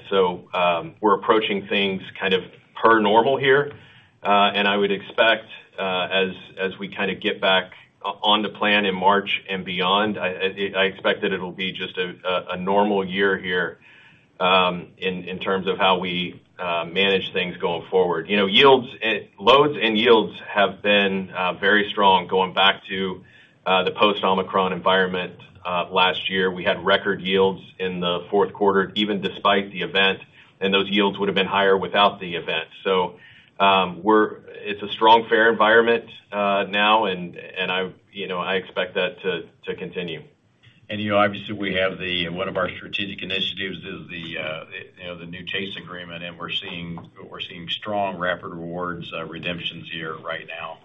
We're approaching things kind of per normal here. I would expect, as we kinda get back on the plan in March and beyond, I expect that it'll be just a normal year here, in terms of how we manage things going forward. You know, yields. Loads and yields have been very strong going back to the post-Omicron environment last year. We had record yields in the fourth quarter, even despite the event, and those yields would have been higher without the event. It's a strong fare environment now, and I, you know, I expect that to continue. You know, obviously, we have One of our strategic initiatives is, you know, the new Chase agreement, and we're seeing strong Rapid Rewards redemptions here right now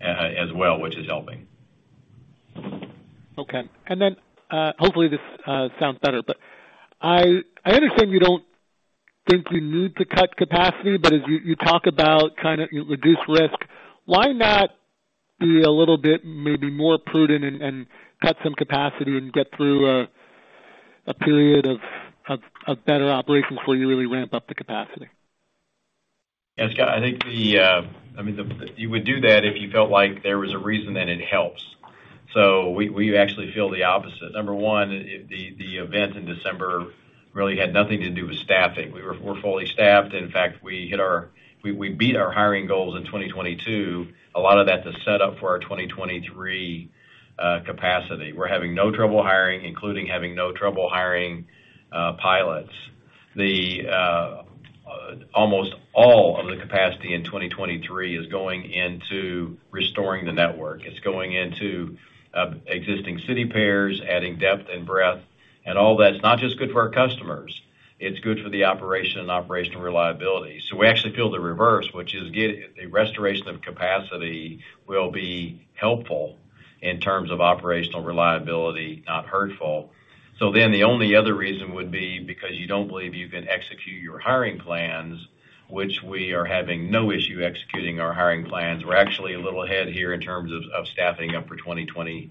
as well, which is helping. Okay. Hopefully, this sounds better, I understand you don't think you need to cut capacity, as you talk about trying to reduce risk, why not be a little bit, maybe more prudent and cut some capacity and get through a period of better operations before you really ramp up the capacity? Yeah, Scott, I think I mean, you would do that if you felt like there was a reason that it helps. We, we actually feel the opposite. Number one, the event in December really had nothing to do with staffing. We're fully staffed. In fact, we beat our hiring goals in 2022. A lot of that is set up for our 2023 capacity. We're having no trouble hiring, including having no trouble hiring pilots. The almost all of the capacity in 2023 is going into restoring the network. It's going into existing city pairs, adding depth and breadth, and all that. It's not just good for our customers, it's good for the operation and operational reliability. We actually feel the reverse, which is the restoration of capacity will be helpful in terms of operational reliability, not hurtful. The only other reason would be because you don't believe you can execute your hiring plans, which we are having no issue executing our hiring plans. We're actually a little ahead here in terms of staffing up for 2023.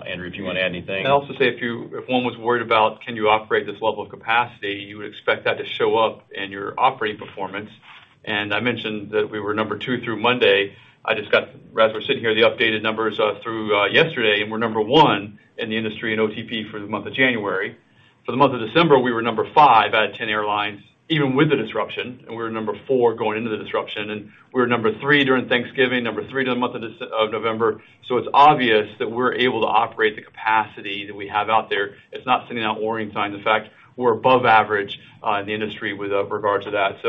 Andrew, do you wanna add anything? I'd also say if one was worried about can you operate this level of capacity, you would expect that to show up in your operating performance. I mentioned that we were number two through Monday. I just got, as we're sitting here, the updated numbers through yesterday, we're number one in the industry in OTP for the month of January. For the month of December, we were five out of 10 airlines, even with the disruption. We were four going into the disruption. We were three during Thanksgiving, three during the month of November. It's obvious that we're able to operate the capacity that we have out there. It's not sending out warning signs. In fact, we're above average in the industry with regard to that.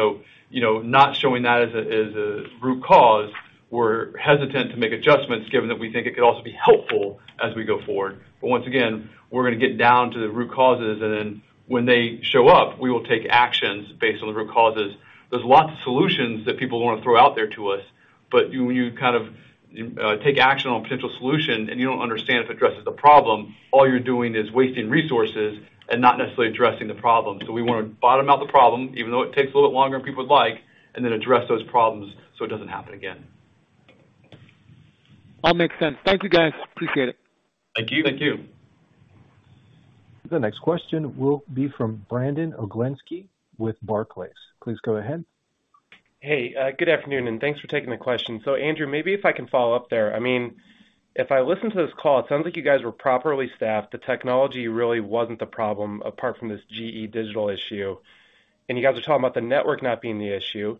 You know, not showing that as a root cause, we're hesitant to make adjustments given that we think it could also be helpful as we go forward. Once again, we're gonna get down to the root causes. When they show up, we will take actions based on the root causes. There's lots of solutions that people wanna throw out there to us. When you kind of take action on potential solution and you don't understand if it addresses the problem, all you're doing is wasting resources and not necessarily addressing the problem. We wanna bottom out the problem, even though it takes a little bit longer than people would like, and then address those problems so it doesn't happen again. All makes sense. Thank you, guys. Appreciate it. Thank you. Thank you. The next question will be from Brandon Oglenski with Barclays. Please go ahead. Hey, good afternoon, and thanks for taking the question. Andrew, maybe if I can follow up there. I mean, if I listen to this call, it sounds like you guys were properly staffed. The technology really wasn't the problem, apart from this GE Digital issue. You guys are talking about the network not being the issue.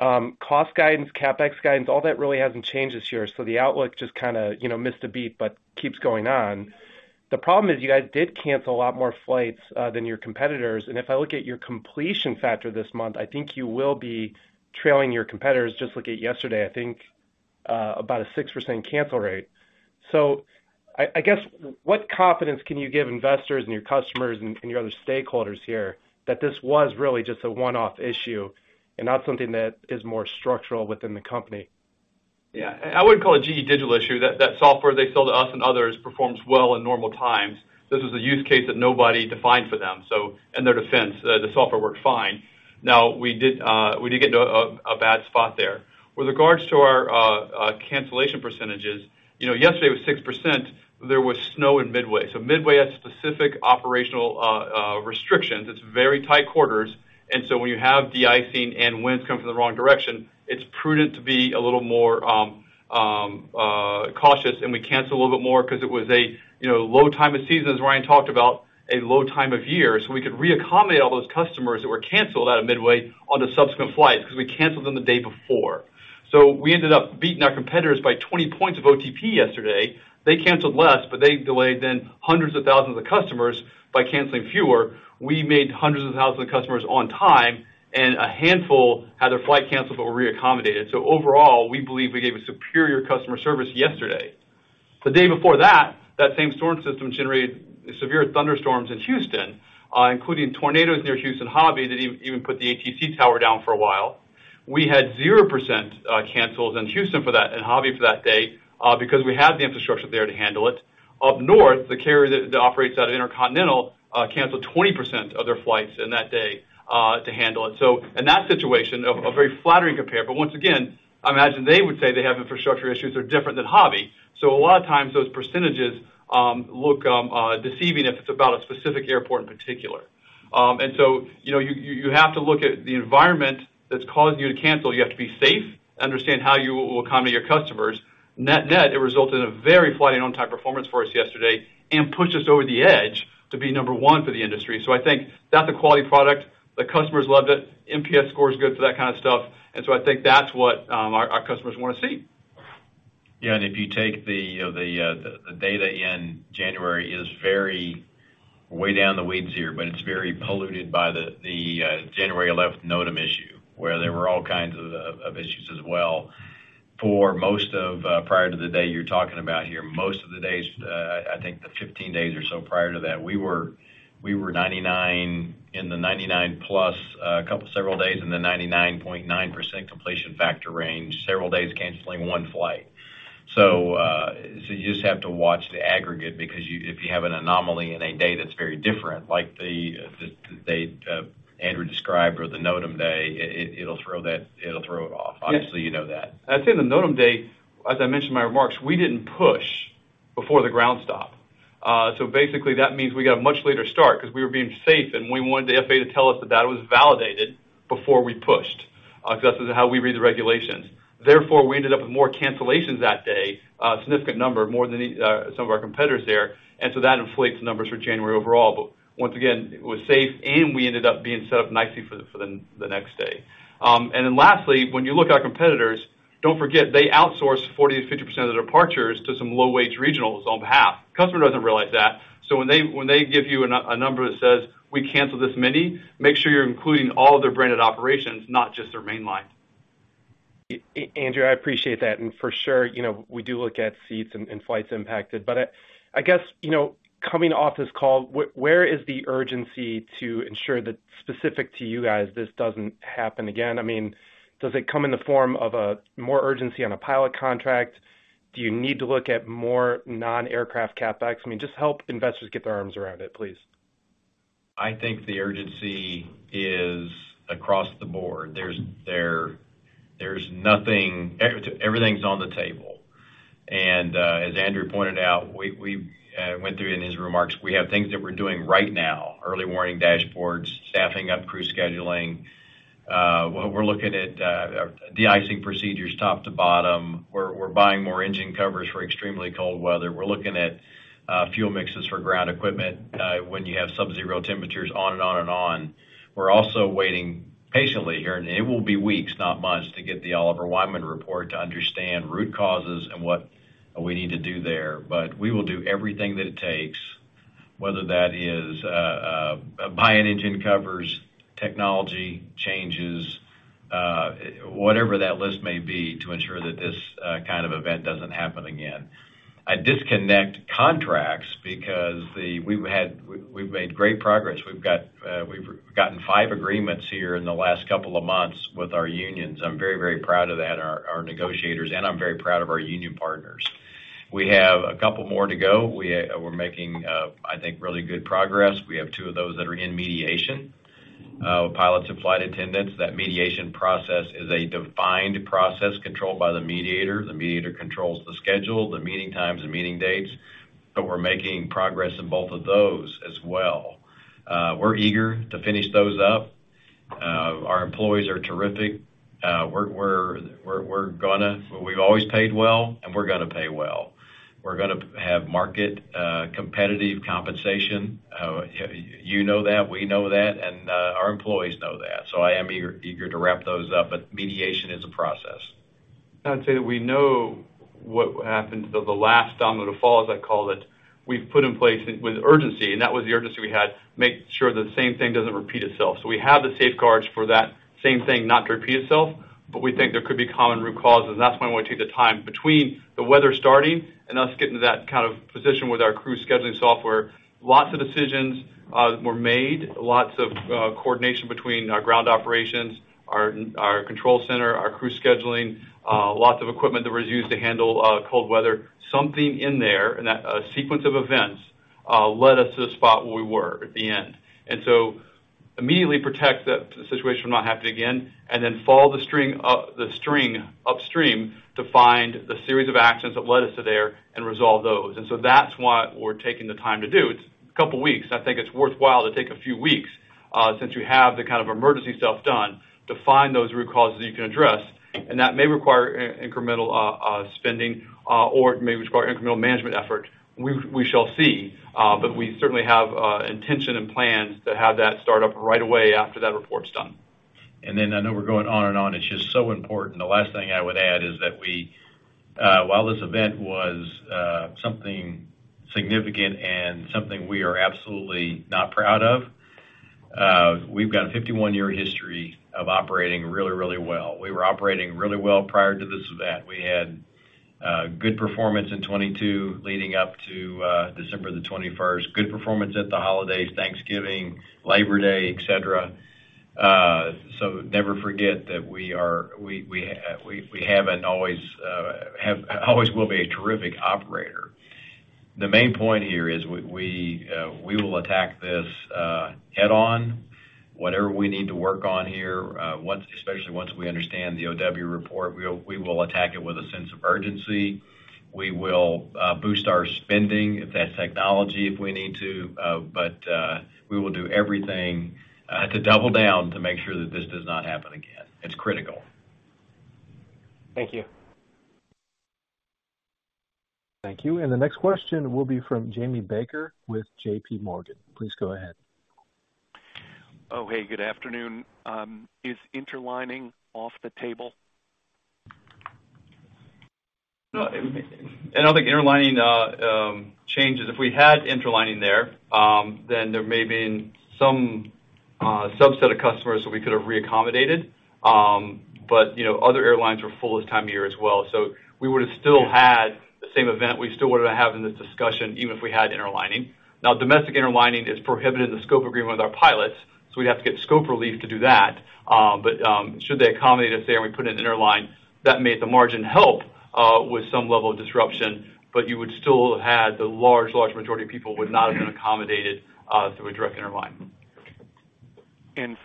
Cost guidance, CapEx guidance, all that really hasn't changed this year. The outlook just kinda, you know, missed a beat, but keeps going on. The problem is you guys did cancel a lot more flights than your competitors. If I look at your completion factor this month, I think you will be trailing your competitors. Just look at yesterday, I think, about a 6% cancel rate. I guess what confidence can you give investors and your customers and your other stakeholders here that this was really just a one-off issue and not something that is more structural within the company? Yeah. I wouldn't call it GE Digital issue. That software they sold to us and others performs well in normal times. This is a use case that nobody defined for them. In their defense, the software worked fine. Now we did get into a bad spot there. With regards to our cancellation percentages, you know, yesterday was 6%, there was snow in Midway. Midway had specific operational restrictions. It's very tight quarters. When you have de-icing and winds coming from the wrong direction, it's prudent to be a little more cautious. We canceled a little bit more 'cause it was a, you know, low time of season, as Ryan talked about, a low time of year. We could re-accommodate all those customers that were canceled out of Midway on the subsequent flight because we canceled them the day before. We ended up beating our competitors by 20 points of OTP yesterday. They canceled less, they delayed then hundreds of thousands of customers by canceling fewer. We made hundreds of thousands of customers on time, a handful had their flight canceled but were re-accommodated. Overall, we believe we gave a superior customer service yesterday. The day before that same storm system generated severe thunderstorms in Houston, including tornadoes near Houston Hobby that even put the ATC tower down for a while. We had 0% cancels in Houston in Hobby for that day because we had the infrastructure there to handle it. Up north, the carrier that operates out of Intercontinental canceled 20% of their flights in that day to handle it. In that situation a very flattering compare. Once again, I imagine they would say they have infrastructure issues that are different than Hobby. A lot of times those percentages look deceiving if it's about a specific airport in particular. you know, you have to look at the environment that's causing you to cancel. You have to be safe, understand how you will accommodate your customers. Net net, it resulted in a very flattering on-time performance for us yesterday and pushed us over the edge to be number one for the industry. I think that's a quality product. The customers loved it. NPS score is good for that kind of stuff. I think that's what, our customers wanna see. Yeah. If you take the, you know, the data in January is very way down the weeds here, but it's very polluted by the January 11th NOTAM issue, where there were all kinds of issues as well. For most of prior to the day you're talking about here, most of the days, I think the 15 days or so prior to that, we were in the 99 plus, several days in the 99.9% completion factor range, several days canceling one flight. You just have to watch the aggregate because if you have an anomaly in a day that's very different, like the day Andrew described or the NOTAM day, it'll throw it off. Obviously, you know that. I'd say the NOTAM day, as I mentioned in my remarks, we didn't push before the ground stop. That means we got a much later start 'cause we were being safe, and we wanted the FAA to tell us that that was validated before we pushed 'cause that's just how we read the regulations. We ended up with more cancellations that day, a significant number, more than some of our competitors there. That inflates the numbers for January overall. It was safe, and we ended up being set up nicely for the next day. When you look at our competitors, don't forget, they outsource 40%-50% of their departures to some low-wage regionals on behalf. Customer doesn't realize that. When they give you a number that says, "We canceled this many," make sure you're including all of their branded operations, not just their main line. Andrew, I appreciate that. For sure, you know, we do look at seats and flights impacted. I guess, you know, coming off this call, where is the urgency to ensure that specific to you guys, this doesn't happen again? I mean, does it come in the form of a more urgency on a pilot contract? Do you need to look at more non-aircraft CapEx? I mean, just help investors get their arms around it, please. I think the urgency is across the board. There's nothing. Everything's on the table. As Andrew pointed out, we went through in his remarks, we have things that we're doing right now, early warning dashboards, staffing up crew scheduling. We're looking at de-icing procedures top to bottom. We're buying more engine covers for extremely cold weather. We're looking at fuel mixes for ground equipment, when you have subzero temperatures on and on and on. We're also waiting patiently here, and it will be weeks, not months, to get the Oliver Wyman report to understand root causes and what we need to do there. We will do everything that it takes, whether that is buying engine covers, technology changes, whatever that list may be to ensure that this kind of event doesn't happen again. I disconnect contracts because we've made great progress. We've gotten five agreements here in the last couple of months with our unions. I'm very, very proud of that, our negotiators, and I'm very proud of our union partners. We have a couple more to go. We are making, I think, really good progress. We have two of those that are in mediation with pilots and flight attendants. That mediation process is a defined process controlled by the mediator. The mediator controls the schedule, the meeting times and meeting dates, but we're making progress in both of those as well. We're eager to finish those up. Our employees are terrific. We've always paid well, and we're gonna pay well. We're gonna have market competitive compensation. You know that, we know that, and our employees know that. I am eager to wrap those up, but mediation is a process. I'd say that we know what happened. The last domino to fall, as I call it, we've put in place with urgency, and that was the urgency we had, make sure the same thing doesn't repeat itself. We have the safeguards for that same thing not to repeat itself, but we think there could be common root causes. That's why I wanna take the time between the weather starting and us getting to that kind of position with our crew scheduling software. Lots of decisions were made, lots of coordination between our ground operations, our control center, our crew scheduling, lots of equipment that was used to handle cold weather. Something in there, in that sequence of events, led us to the spot where we were at the end. Immediately protect the situation from not happening again, and then follow the string upstream to find the series of actions that led us to there and resolve those. That's what we're taking the time to do. It's a couple weeks, and I think it's worthwhile to take a few weeks, since you have the kind of emergency stuff done to find those root causes that you can address. That may require incremental spending or it may require incremental management effort. We shall see, but we certainly have intention and plans to have that start up right away after that report's done. I know we're going on and on. It's just so important. The last thing I would add is that while this event was something significant and something we are absolutely not proud of, we've got a 51-year history of operating really, really well. We were operating really well prior to this event. We had good performance in 2022 leading up to December the 21st. Good performance at the holidays, Thanksgiving, Labor Day, et cetera. Never forget that we haven't always will be a terrific operator. The main point here is we will attack this head on. Whatever we need to work on here, especially once we understand the OW report, we will attack it with a sense of urgency. We will boost our spending if that's technology, if we need to, but we will do everything to double down to make sure that this does not happen again. It's critical. Thank you. Thank you. The next question will be from Jamie Baker with J.P. Morgan. Please go ahead. Hey, good afternoon. Is interlining off the table? No. I don't think interlining changes. If we had interlining there, then there may have been some subset of customers that we could have reaccommodated. You know, other airlines were full this time of year as well. We would have still had the same event. We still would have having this discussion even if we had interlining. Domestic interlining is prohibited in the scope agreement with our pilots, so we'd have to get scope relief to do that. Should they accommodate us there and we put an interline, that made the margin help with some level of disruption, but you would still have the large majority of people would not have been accommodated through a direct interline.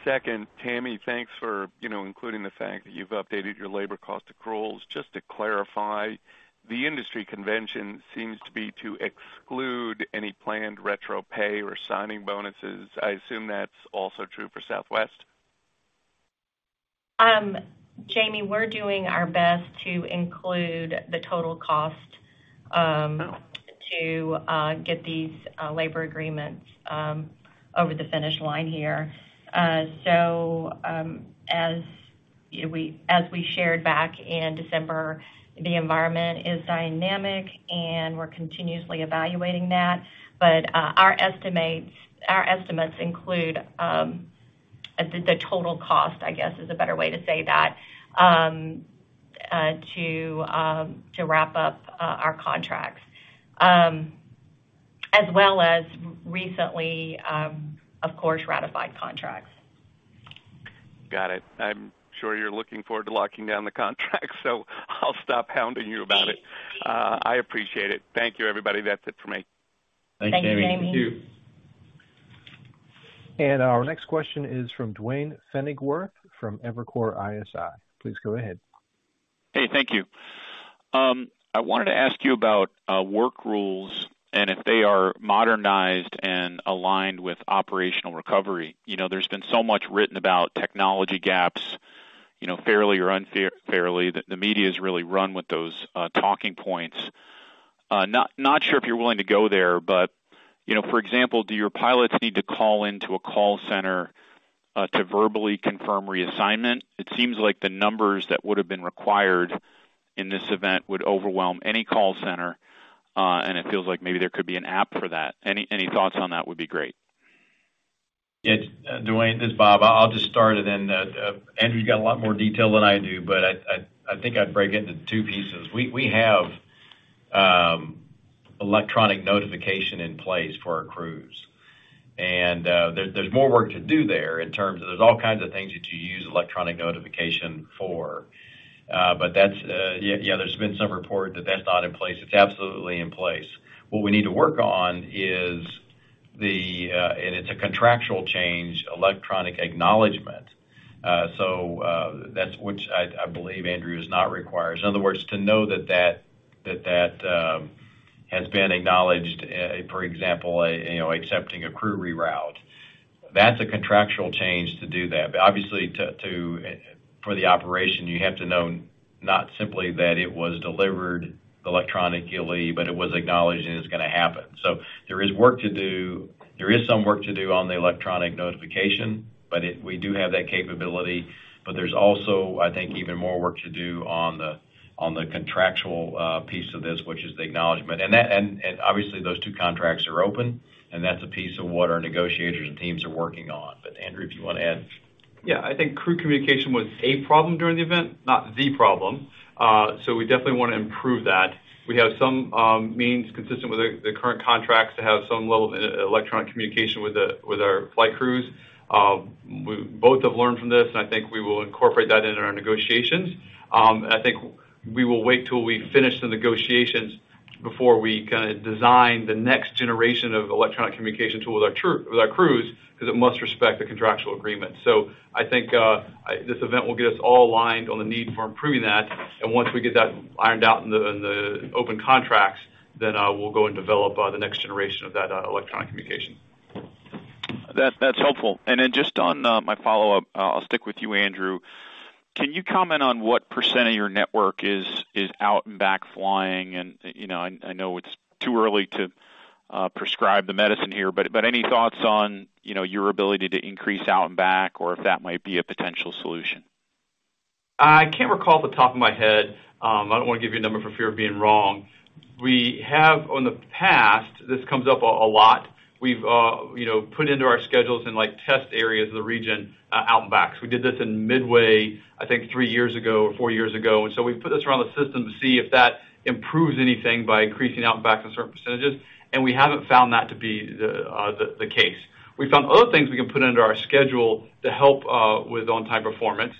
Second, Tammy, thanks for, you know, including the fact that you've updated your labor cost accruals. Just to clarify, the industry convention seems to be to exclude any planned retro pay or signing bonuses. I assume that's also true for Southwest? Jamie, we're doing our best to include the total cost to get these labor agreements over the finish line here. As we shared back in December, the environment is dynamic, and we're continuously evaluating that. Our estimates include the total cost, is a better way to say that, to wrap up our contracts as well as recently, of course, ratified contracts. Got it. I'm sure you're looking forward to locking down the contract, so I'll stop hounding you about it. I appreciate it. Thank you, everybody. That's it for me. Thanks, Jamie. Thank you, Jamie. Thank you. Our next question is from Duane Pfennigwerth from Evercore ISI. Please go ahead. Hey, thank you. I wanted to ask you about work rules and if they are modernized and aligned with operational recovery. You know, there's been so much written about technology gaps, you know, fairly or unfairly, the media's really run with those talking points. Not sure if you're willing to go there, but, you know, for example, do your pilots need to call into a call center to verbally confirm reassignment? It seems like the numbers that would have been required in this event would overwhelm any call center, and it feels like maybe there could be an app for that. Any thoughts on that would be great. Yeah. Duane, this is Bob. I'll just start and then Andrew's got a lot more detail than I do, but I think I'd break it into two pieces. We have electronic notification in place for our crews. There's more work to do there in terms of there's all kinds of things that you use electronic notification for. Yeah, there's been some report that that's not in place. It's absolutely in place. What we need to work on is the, and it's a contractual change, electronic acknowledgment. That's which I believe Andrew does not require. In other words, to know that that has been acknowledged, for example, you know, accepting a crew reroute. That's a contractual change to do that. Obviously to for the operation, you have to know not simply that it was delivered electronically, but it was acknowledged and it's gonna happen. There is some work to do on the electronic notification, but we do have that capability. There's also, I think, even more work to do on the, on the contractual piece of this, which is the acknowledgment. Obviously those two contracts are open, and that's a piece of what our negotiators and teams are working on. Andrew, do you wanna add? Yeah. I think crew communication was a problem during the event, not the problem. We definitely wanna improve that. We have some means consistent with the current contracts to have some level of electronic communication with our flight crews. We both have learned from this, and I think we will incorporate that into our negotiations. I think we will wait till we finish the negotiations before we kinda design the next generation of electronic communication tool with our crew, with our crews, because it must respect the contractual agreement. I think this event will get us all aligned on the need for improving that. Once we get that ironed out in the open contracts, then we'll go and develop the next generation of that electronic communication. That's helpful. Then just on my follow-up, I'll stick with you, Andrew. Can you comment on what percent of your network is out and back flying? You know, I know it's too early to prescribe the medicine here, but any thoughts on, you know, your ability to increase out and back or if that might be a potential solution? I can't recall off the top of my head. I don't wanna give you a number for fear of being wrong. We have on the past, this comes up a lot. We've, you know, put into our schedules in like test areas of the region, out and backs. We did this in Midway, I think three years ago or four years ago. We put this around the system to see if that improves anything by increasing out and backs in certain percentages. We haven't found that to be the case. We found other things we can put into our schedule to help with on-time performance.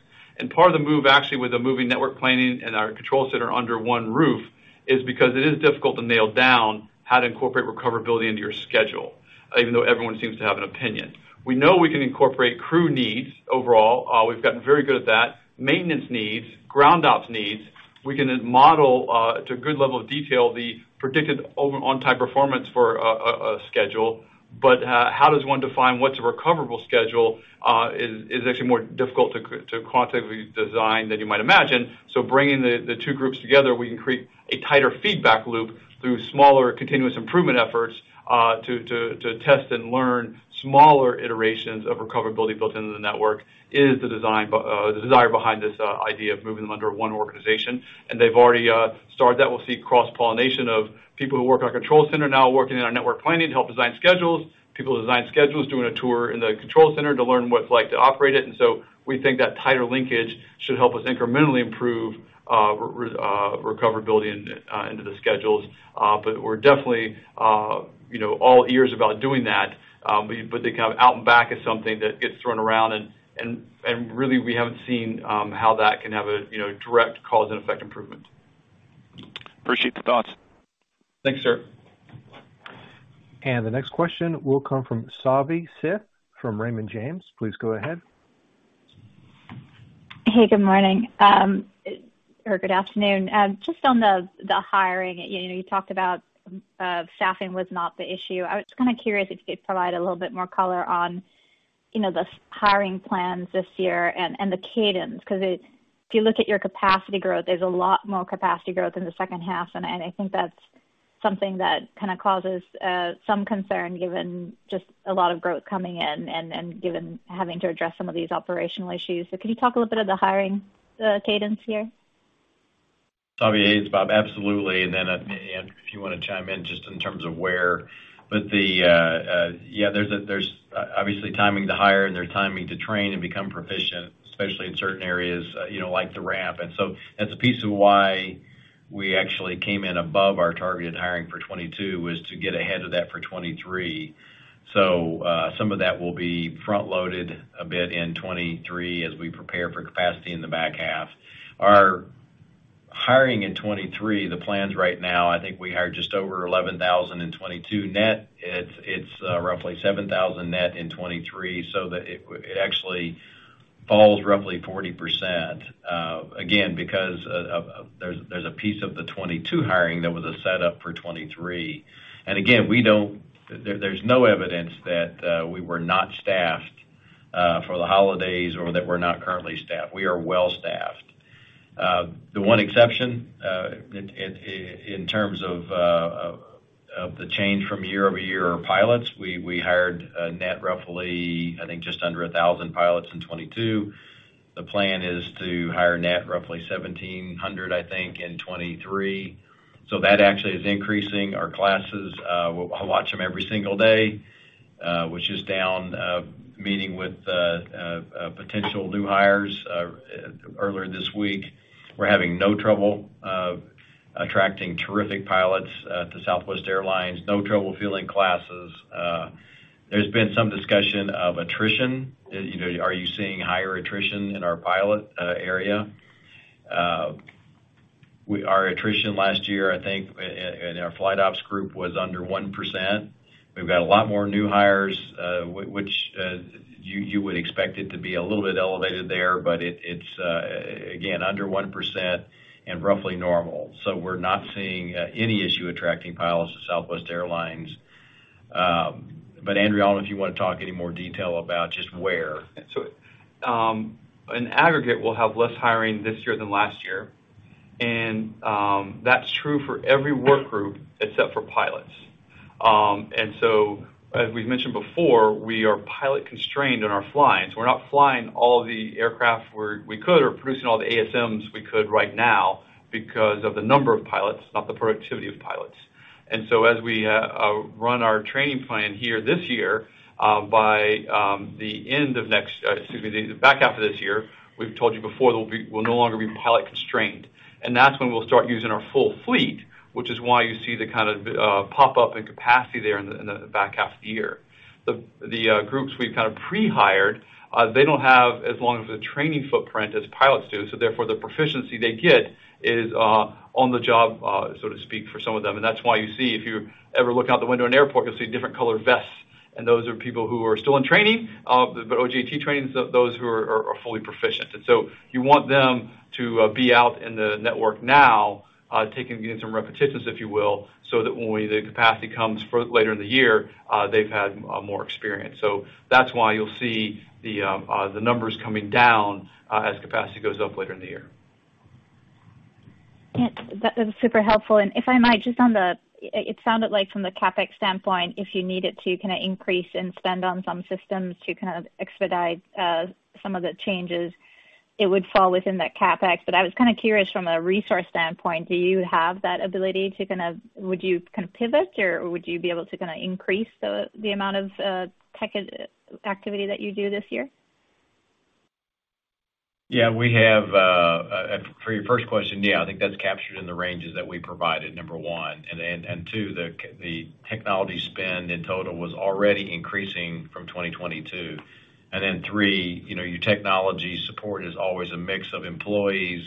Part of the move, actually, with the moving Network Planning and our control center under one roof is because it is difficult to nail down how to incorporate recoverability into your schedule, even though everyone seems to have an opinion. We know we can incorporate crew needs overall. We've gotten very good at that. Maintenance needs, ground ops needs. We can model to a good level of detail the predicted over on time performance for a schedule. How does one define what's a recoverable schedule is actually more difficult to quantitatively design than you might imagine. Bringing the two groups together, we can create a tighter feedback loop through smaller continuous improvement efforts, to test and learn smaller iterations of recoverability built into the network is the desire behind this idea of moving them under one organization. They've already started that. We'll see cross-pollination of people who work on our control center now working in our Network Planning to help design schedules. People who design schedules, doing a tour in the control center to learn what it's like to operate it. We think that tighter linkage should help us incrementally improve recoverability into the schedules. But we're definitely, you know, all ears about doing that. The kind of out and back is something that gets thrown around, and really, we haven't seen how that can have a, you know, direct cause and effect improvement. Appreciate the thoughts. Thanks, sir. The next question will come from Savi Syth from Raymond James. Please go ahead. Hey, good morning. Or good afternoon. Just on the hiring, you know, you talked about staffing was not the issue. I was kind of curious if you could provide a little bit more color on, you know, the hiring plans this year and the cadence, because if you look at your capacity growth, there's a lot more capacity growth in the second half. I think that's something that kind of causes some concern given just a lot of growth coming in and given having to address some of these operational issues. Can you talk a little bit of the hiring cadence here? Savi, it's Bob. Absolutely. Then, Andrew, if you wanna chime in just in terms of where. Yeah, there's obviously timing to hire and there's timing to train and become proficient, especially in certain areas, you know, like the ramp. That's a piece of why we actually came in above our targeted hiring for 2022, was to get ahead of that for 2023. Some of that will be front-loaded a bit in 2023 as we prepare for capacity in the back half. Our hiring in 2023, the plans right now, I think we hired just over 11,000 in 2022 net. It's roughly 7,000 net in 2023, so that it actually falls roughly 40%, again, because there's a piece of the 2022 hiring that was a setup for 2023. Again, we don't there's no evidence that we were not staffed for the holidays or that we're not currently staffed. We are well-staffed. The one exception in terms of the change from year over year are pilots. We hired a net roughly, I think, just under 1,000 pilots in 2022. The plan is to hire net roughly 1,700, I think, in 2023. That actually is increasing our classes. Watch them every single day, which is down, meeting with potential new hires earlier this week. We're having no trouble attracting terrific pilots to Southwest Airlines. No trouble filling classes. There's been some discussion of attrition. You know, are you seeing higher attrition in our pilot area? Our attrition last year, I think in our flight ops group was under 1%. We've got a lot more new hires, which, you would expect it to be a little bit elevated there, but it's again, under 1% and roughly normal. We're not seeing any issue attracting pilots to Southwest Airlines. Andrew, I don't know if you wanna talk any more detail about just where. In aggregate, we'll have less hiring this year than last year, and that's true for every work group except for pilots. As we've mentioned before, we are pilot-constrained in our flying. We're not flying all the aircraft we could or producing all the ASMs we could right now because of the number of pilots, not the productivity of pilots. As we run our training plan here this year, by the end of next, excuse me, the back half of this year, we'll no longer be pilot-constrained, and that's when we'll start using our full fleet, which is why you see the kind of pop up in capacity there in the back half of the year. The groups we've kind of pre-hired, they don't have as long of a training footprint as pilots do, so therefore, the proficiency they get is on the job, so to speak, for some of them. That's why you see if you ever look out the window in an airport, you'll see different colored vests, and those are people who are still in training, but OJT training, so those who are fully proficient. You want them to be out in the network now, taking, getting some repetitions, if you will, so that when the capacity comes for later in the year, they've had more experience. That's why you'll see the numbers coming down as capacity goes up later in the year. Yeah. That was super helpful. If I might, just on the... It sounded like from the CapEx standpoint, if you needed to kinda increase in spend on some systems to kind of expedite some of the changes, it would fall within that CapEx. I was kinda curious from a resource standpoint, do you have that ability to would you kind of pivot, or would you be able to kinda increase the amount of tech activity that you do this year? Yeah. We have, for your first question, yeah, I think that's captured in the ranges that we provided, number one. Two, the technology spend in total was already increasing from 2022. Three, you know, your technology support is always a mix of employees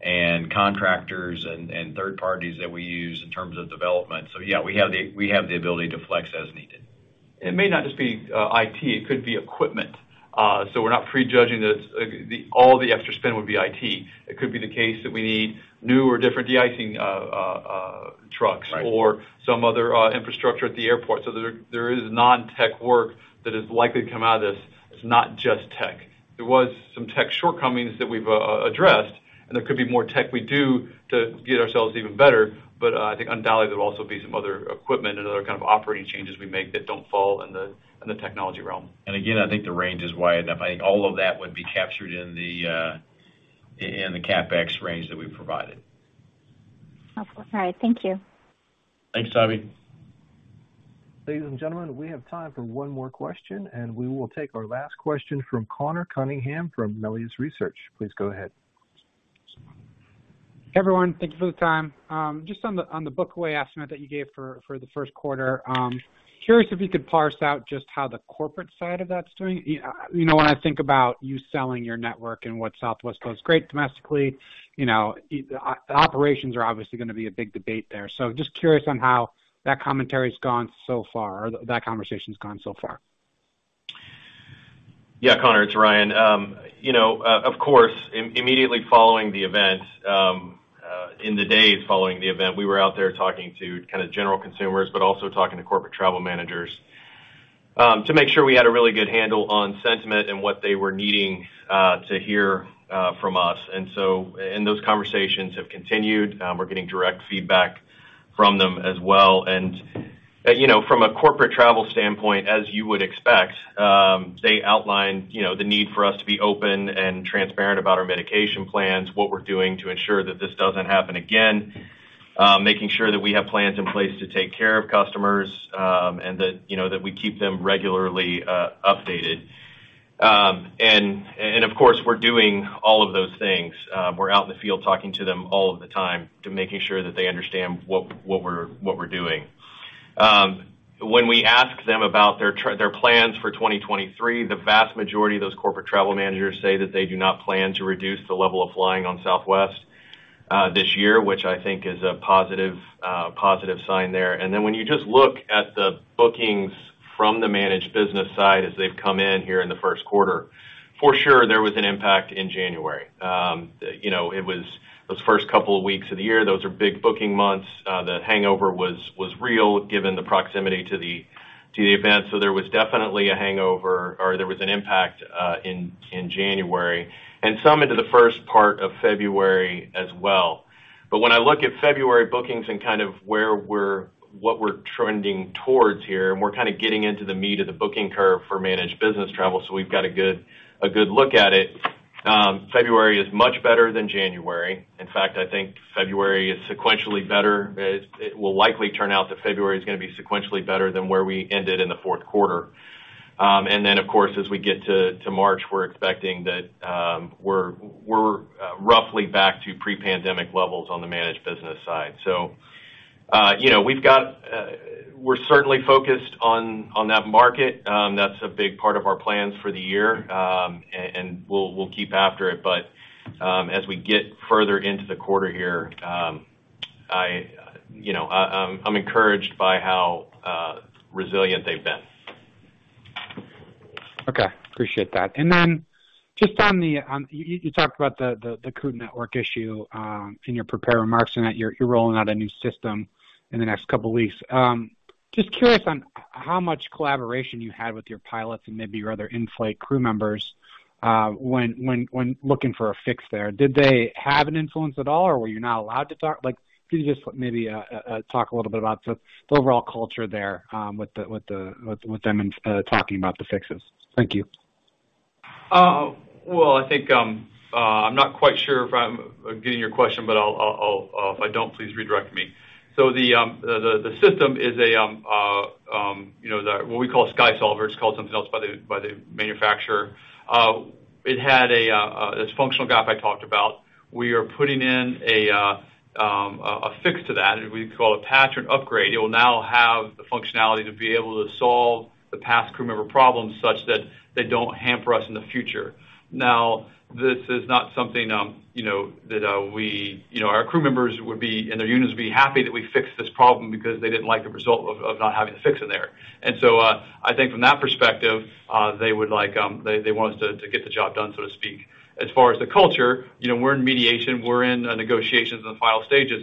and contractors and third parties that we use in terms of development. Yeah, we have the ability to flex as needed. It may not just be IT, it could be equipment. We're not pre-judging the, all the extra spend would be IT. It could be the case that we need new or different deicing trucks. Right. Some other infrastructure at the airport. There, there is non-tech work that is likely to come out of this. It's not just tech. There was some tech shortcomings that we've addressed, and there could be more tech we do to get ourselves even better. I think undoubtedly there will also be some other equipment and other kind of operating changes we make that don't fall in the technology realm. Again, I think the range is wide enough. I think all of that would be captured in the CapEx range that we've provided. Awesome. All right, thank you. Thanks, Savi. Ladies and gentlemen, we have time for one more question, and we will take our last question from Conor Cunningham from Melius Research. Please go ahead. Everyone, thank you for the time. Just on the book away estimate that you gave for the first quarter, curious if you could parse out just how the corporate side of that's doing. You know, when I think about you selling your network and what Southwest goes great domestically, you know, operations are obviously gonna be a big debate there. Just curious on how that commentary's gone so far or that conversation's gone so far. Yeah, Conor, it's Ryan. You know, of course, immediately following the event, in the days following the event, we were out there talking to kind of general consumers, but also talking to corporate travel managers, to make sure we had a really good handle on sentiment and what they were needing to hear from us. Those conversations have continued. We're getting direct feedback from them as well. You know, from a corporate travel standpoint, as you would expect, they outlined, you know, the need for us to be open and transparent about our mitigation plans, what we're doing to ensure that this doesn't happen again, making sure that we have plans in place to take care of customers, and that, you know, that we keep them regularly updated. Of course, we're doing all of those things. We're out in the field talking to them all of the time to making sure that they understand what we're doing. When we ask them about their plans for 2023, the vast majority of those corporate travel managers say that they do not plan to reduce the level of flying on Southwest this year, which I think is a positive sign there. When you just look at the bookings from the managed business side as they've come in here in the first quarter, for sure there was an impact in January. You know, it was those first couple of weeks of the year, those are big booking months. The hangover was real given the proximity to the event. There was definitely a hangover or there was an impact in January and some into the first part of February as well. When I look at February bookings and kind of where what we're trending towards here, and we're kind of getting into the meat of the booking curve for managed business travel, we've got a good look at it. February is much better than January. In fact, I think February is sequentially better. It, it will likely turn out that February is gonna be sequentially better than where we ended in the fourth quarter. And then of course, as we get to March, we're expecting that, we're roughly back to pre-pandemic levels on the managed business side. You know, we've got, we're certainly focused on that market. That's a big part of our plans for the year. And we'll keep after it. As we get further into the quarter here, I, you know, I'm encouraged by how resilient they've been. Okay. Appreciate that. Just on the, you talked about the crew network issue in your prepared remarks and that you're rolling out a new system in the next couple weeks. Just curious on how much collaboration you had with your pilots and maybe your other in-flight crew members when looking for a fix there. Did they have an influence at all, or were you not allowed to talk? Like, can you just maybe talk a little bit about the overall culture there with them and talking about the fixes? Thank you. Well, I think, I'm not quite sure if I'm getting your question, but I'll. If I don't, please redirect me. The system is, you know, what we call a SkySolver. It's called something else by the manufacturer. It had this functional gap I talked about. We are putting in a fix to that. We call it patch or an upgrade. It will now have the functionality to be able to solve the past crew member problems such that they don't hamper us in the future. This is not something, you know, that we. You know, our crew members would be, and their unions would be happy that we fixed this problem because they didn't like the result of not having a fix in there. I think from that perspective, they want us to get the job done, so to speak. As far as the culture, you know, we're in mediation, we're in negotiations in the final stages,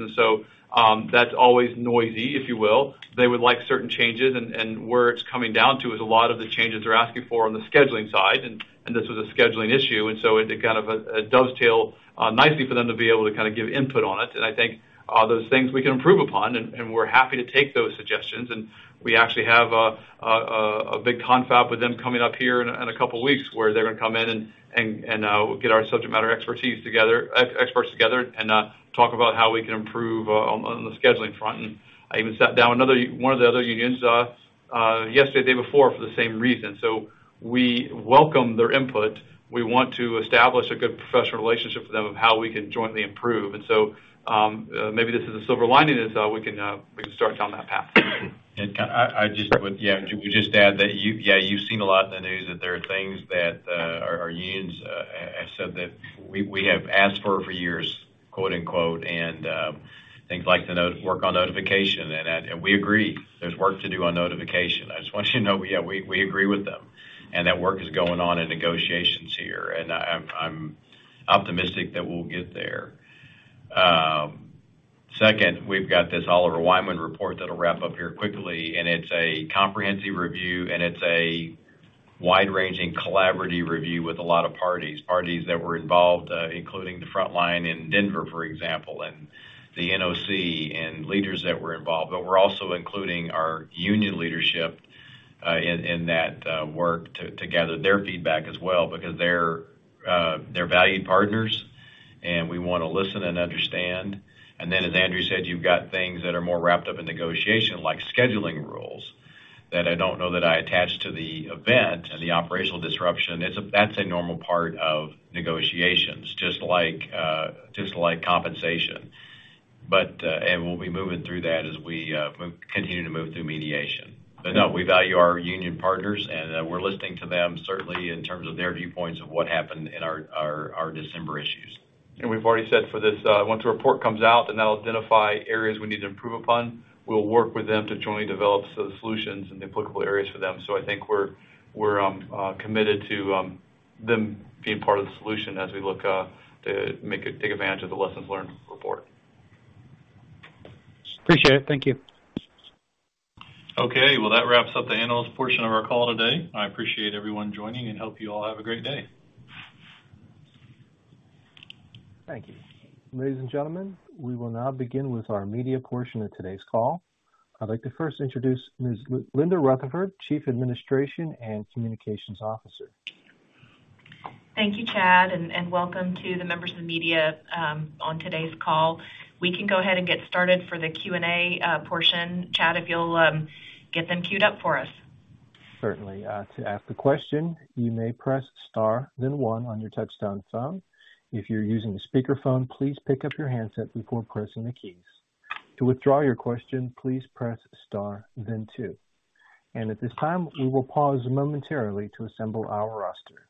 that's always noisy, if you will. They would like certain changes, and where it's coming down to is a lot of the changes they're asking for on the scheduling side, and this was a scheduling issue. It kind of it dovetails nicely for them to be able to kind of give input on it. I think those things we can improve upon, and we're happy to take those suggestions. We actually have a big confab with them coming up here in a couple of weeks where they're gonna come in and we'll get our subject matter experts together and talk about how we can improve on the scheduling front. I even sat down with one of the other unions yesterday or the day before for the same reason. We welcome their input. We want to establish a good professional relationship for them of how we can jointly improve. Maybe this is a silver lining is we can start down that path. I just would add that you've seen a lot in the news that there are things that our unions have said that we have asked for years, quote, unquote, and things like the work on notification. We agree there's work to do on notification. I just want you to know, we agree with them, that work is going on in negotiations here, and I'm optimistic that we'll get there. Second, we've got this Oliver Wyman report that'll wrap up here quickly, it's a comprehensive review, it's a wide-ranging collaborative review with a lot of parties. Parties that were involved, including the frontline in Denver, for example, and the NOC and leaders that were involved. We're also including our union leadership in that work to gather their feedback as well because they're valued partners, and we wanna listen and understand. Then, as Andrew said, you've got things that are more wrapped up in negotiation, like scheduling rules that I don't know that I attach to the event and the operational disruption. That's a normal part of negotiations, just like compensation. We'll be moving through that as we continue to move through mediation. No, we value our union partners, and we're listening to them certainly in terms of their viewpoints of what happened in our December issues. We've already said for this, once the report comes out, then that'll identify areas we need to improve upon. We'll work with them to jointly develop solutions in the applicable areas for them. I think we're committed to them being part of the solution as we look to take advantage of the lessons learned report. Appreciate it. Thank you. Okay. Well, that wraps up the analyst portion of our call today. I appreciate everyone joining, and hope you all have a great day. Thank you. Ladies and gentlemen, we will now begin with our media portion of today's call. I'd like to first introduce Ms. Linda Rutherford, Chief Administration and Communications Officer. Thank you, Chad, and welcome to the members of the media, on today's call. We can go ahead and get started for the Q&A portion. Chad, if you'll get them queued up for us. Certainly. to ask the question, you may press star then one on your touchtone phone. If you're using a speakerphone, please pick up your handset before pressing the keys. To withdraw your question, please press star then two. At this time, we will pause momentarily to assemble our roster.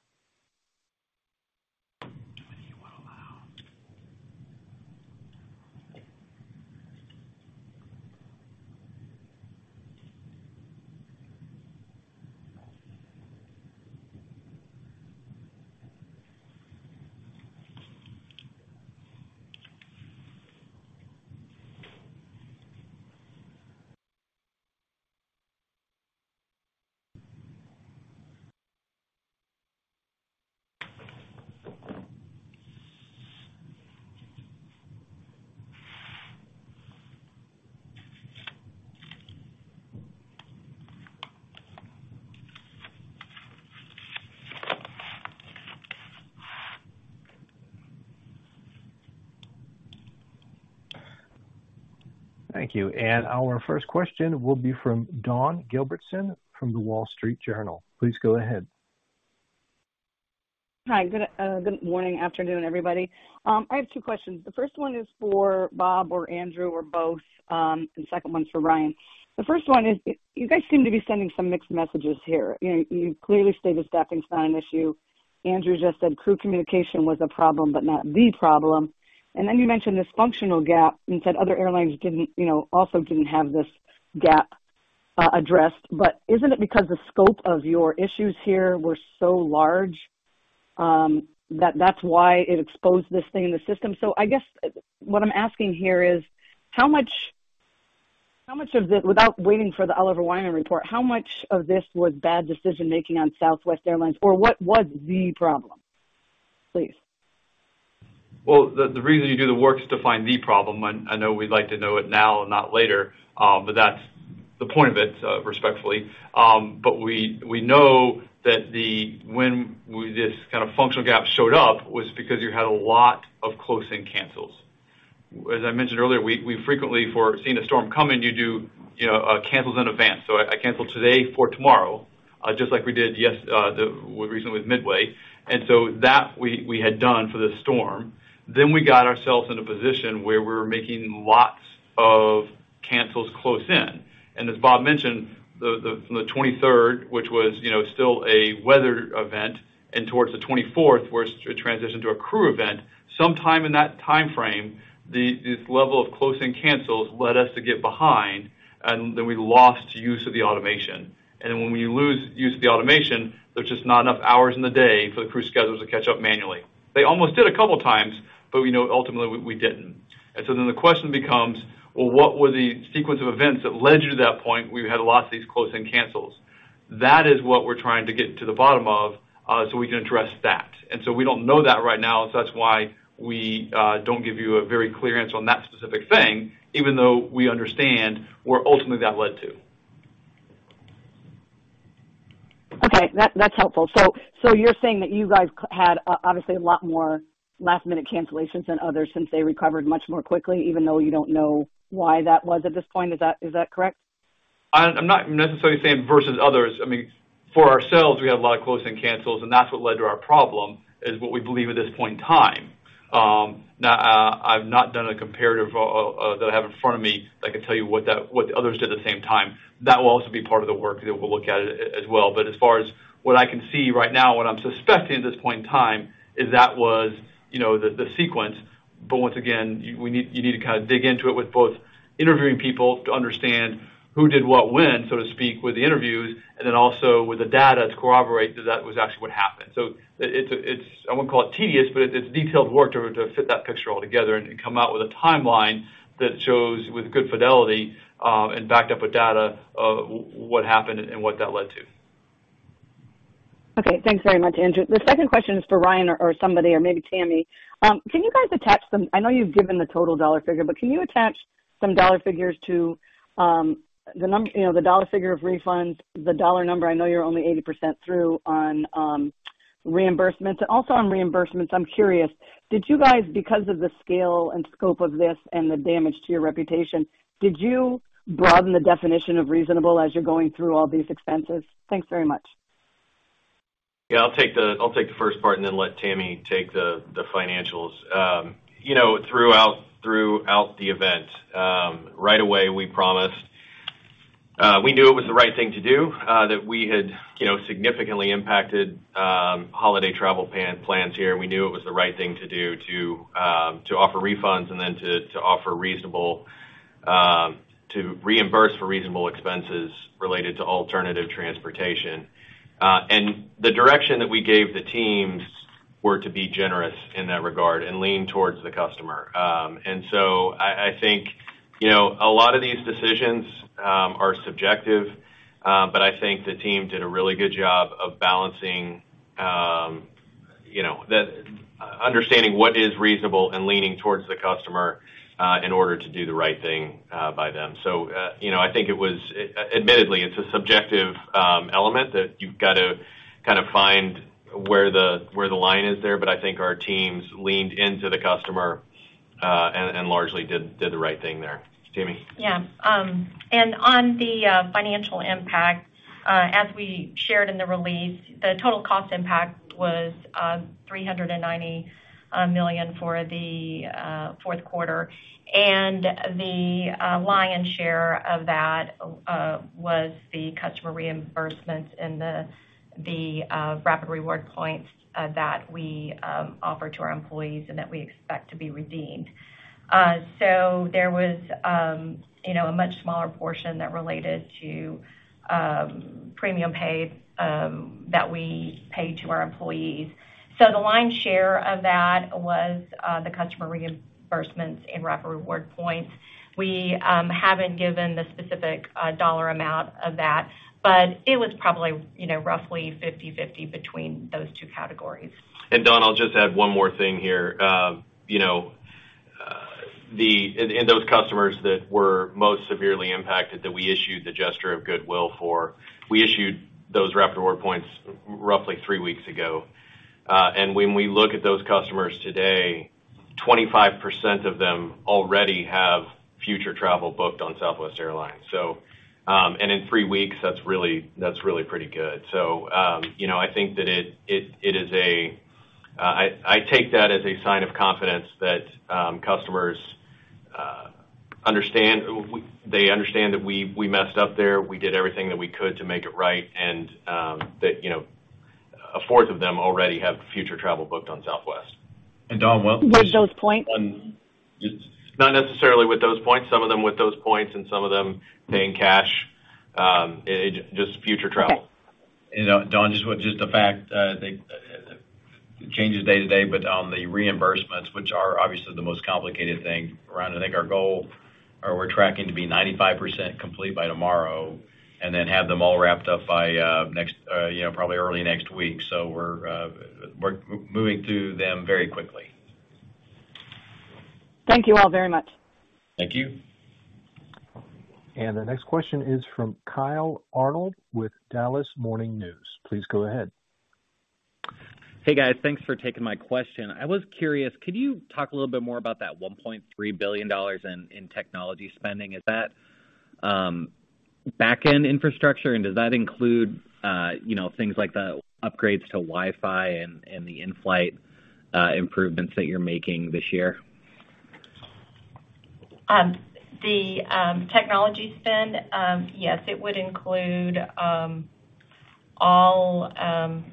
Thank you. Our first question will be from Dawn Gilbertson from The Wall Street Journal. Please go ahead. Hi. Good morning, afternoon, everybody. I have two questions. The first one is for Bob or Andrew or both, and the second one's for Ryan. The first one is you guys seem to be sending some mixed messages here. You clearly state the staffing's not an issue. Andrew just said crew communication was a problem, but not the problem. You mentioned this functional gap and said other airlines didn't, you know, also didn't have this gap addressed. Isn't it because the scope of your issues here were so large, that's why it exposed this thing in the system? I guess what I'm asking here is how much of it, without waiting for the Oliver Wyman report, how much of this was bad decision-making on Southwest Airlines, or what was the problem, please? Well, the reason you do the work is to find the problem. I know we'd like to know it now and not later, but that's the point of it, respectfully. We know that when this kind of functional gap showed up was because you had a lot of closing cancels. As I mentioned earlier, we frequently for seeing a storm coming, you do, you know, cancels in advance. I cancel today for tomorrow, just like we did recently with Midway. That we had done for this storm. We got ourselves in a position where we were making lots of cancels close in. As Bob mentioned, from the 23rd, which was, you know, still a weather event, and towards the 24th, where it transitioned to a crew event, sometime in that timeframe, this level of closing cancels led us to get behind, and then we lost use of the automation. When we lose use of the automation, there's just not enough hours in the day for the crew schedules to catch up manually. They almost did a couple times, but we know ultimately we didn't. The question becomes, well, what were the sequence of events that led you to that point where you had a lot of these closing cancels? That is what we're trying to get to the bottom of, so we can address that. We don't know that right now, so that's why we don't give you a very clear answer on that specific thing, even though we understand where ultimately that led to. That's helpful. You're saying that you guys had obviously a lot more last minute cancellations than others since they recovered much more quickly, even though you don't know why that was at this point? Is that correct? I'm not necessarily saying versus others. I mean, for ourselves, we had a lot of closing cancels, and that's what led to our problem, is what we believe at this point in time. Now, I've not done a comparative that I have in front of me that can tell you what the others did at the same time. That will also be part of the work that we'll look at as well. As far as what I can see right now, what I'm suspecting at this point in time is that was, you know, the sequence. Once again, you need to kind of dig into it with both interviewing people to understand who did what when, so to speak, with the interviews, and then also with the data to corroborate that that was actually what happened. It's I won't call it tedious, but it's detailed work to fit that picture all together and come out with a timeline that shows with good fidelity, and backed up with data of what happened and what that led to. Okay. Thanks very much, Andrew. The second question is for Ryan or somebody or maybe Tammy. Can you guys attach I know you've given the total dollar figure, but can you attach some dollar figures to, you know, the dollar figure of refunds, the dollar number, I know you're only 80% through on reimbursements. Also on reimbursements, I'm curious, did you guys, because of the scale and scope of this and the damage to your reputation, did you broaden the definition of reasonable as you're going through all these expenses? Thanks very much. Yeah. I'll take the first part and then let Tammy take the financials. You know, throughout the event, right away, we promised, we knew it was the right thing to do, that we had, you know, significantly impacted holiday travel plans here. We knew it was the right thing to do to offer refunds and then to offer reasonable to reimburse for reasonable expenses related to alternative transportation. The direction that we gave the teams were to be generous in that regard and lean towards the customer. I think, you know, a lot of these decisions are subjective, but I think the team did a really good job of balancing, you know, understanding what is reasonable and leaning towards the customer in order to do the right thing by them. You know, I think it was admittedly, it's a subjective element that you've got to kind of find where the line is there. I think our teams leaned into the customer. largely did the right thing there. Tammy. Yeah. On the financial impact, as we shared in the release, the total cost impact was $390 million for the fourth quarter. The lion's share of that was the customer reimbursements and the Rapid Rewards points that we offer to our employees and that we expect to be redeemed. There was, you know, a much smaller portion that related to premium paid that we paid to our employees. The lion's share of that was the customer reimbursements in Rapid Rewards points. We haven't given the specific dollar amount of that, but it was probably, you know, roughly 50/50 between those two categories. Don, I'll just add one more thing here. You know, and those customers that were most severely impacted that we issued the gesture of goodwill for, we issued those Rapid Rewards points roughly three weeks ago. When we look at those customers today, 25% of them already have future travel booked on Southwest Airlines. In three weeks, that's really pretty good. You know, I think that it is a, I take that as a sign of confidence that customers understand. They understand that we messed up there, we did everything that we could to make it right, and that, you know, a fourth of them already have future travel booked on Southwest. Don. With those points? Not necessarily with those points. Some of them with those points and some of them paying cash, just future travel. Okay. You know, Dawn, just with, just the fact, the changes day to day, but the reimbursements, which are obviously the most complicated thing around, I think our goal, or we're tracking to be 95% complete by tomorrow, and then have them all wrapped up by next, you know, probably early next week. We're moving through them very quickly. Thank you all very much. Thank you. The next question is from Kyle Arnold with Dallas Morning News. Please go ahead. Hey, guys. Thanks for taking my question. I was curious, could you talk a little bit more about that $1.3 billion in technology spending? Is that back-end infrastructure, and does that include, you know, things like the upgrades to Wi-Fi and the in-flight improvements that you're making this year? The technology spend, yes, it would include all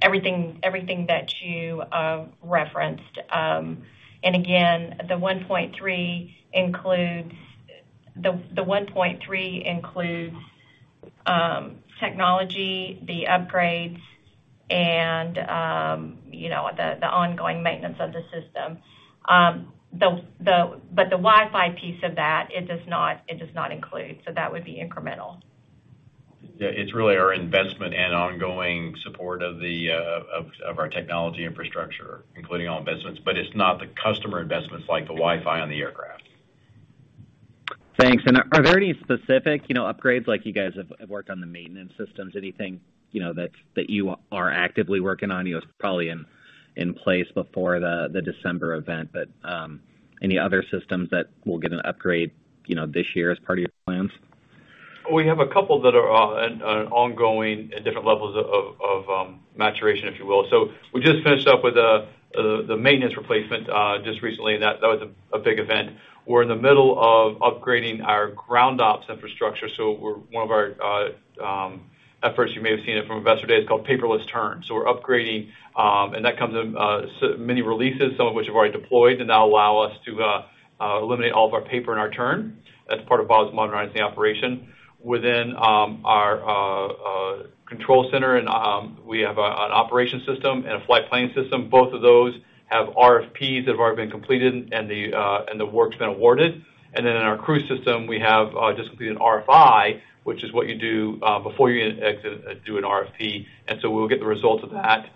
everything that you referenced. Again, the $1.3 includes technology, the upgrades, and, you know, the ongoing maintenance of the system. The Wi-Fi piece of that, it does not include, so that would be incremental. It's really our investment and ongoing support of our technology infrastructure, including all investments, but it's not the customer investments like the Wi-Fi on the aircraft. Thanks. Are there any specific, you know, upgrades like you guys have worked on the maintenance systems? Anything, you know, that you are actively working on? You know, it's probably in place before the December event, but any other systems that will get an upgrade, you know, this year as part of your plans? We have a couple that are on ongoing at different levels of maturation, if you will. We just finished up with the maintenance replacement just recently. That was a big event. We're in the middle of upgrading our ground ops infrastructure, so one of our at first you may have seen it from Investor Day, it's called Paperless Turn. We're upgrading, and that comes in many releases, some of which have already deployed, and that'll allow us to eliminate all of our paper in our turn as part of Bob's modernizing the operation. Within our control center and we have an operation system and a flight planning system. Both of those have RFPs that have already been completed and the work's been awarded. In our crew system, we have just completed an RFI, which is what you do before you do an RFP. We'll get the results of that,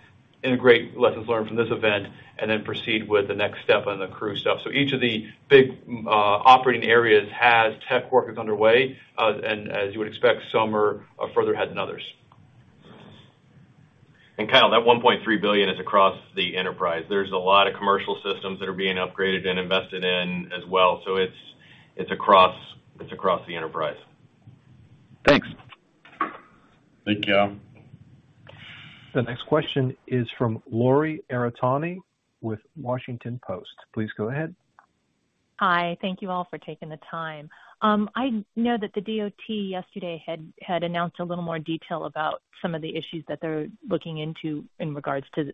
integrate lessons learned from this event, and then proceed with the next step on the crew stuff. Each of the big operating areas has tech work that's underway. As you would expect, some are further ahead than others. Kyle, that $1.3 billion is across the enterprise. There's a lot of commercial systems that are being upgraded and invested in as well. It's across the enterprise. Thanks. Thank you. The next question is from Lori Aratani with The Washington Post. Please go ahead. Hi, thank you all for taking the time. I know that the DOT yesterday had announced a little more detail about some of the issues that they're looking into in regards to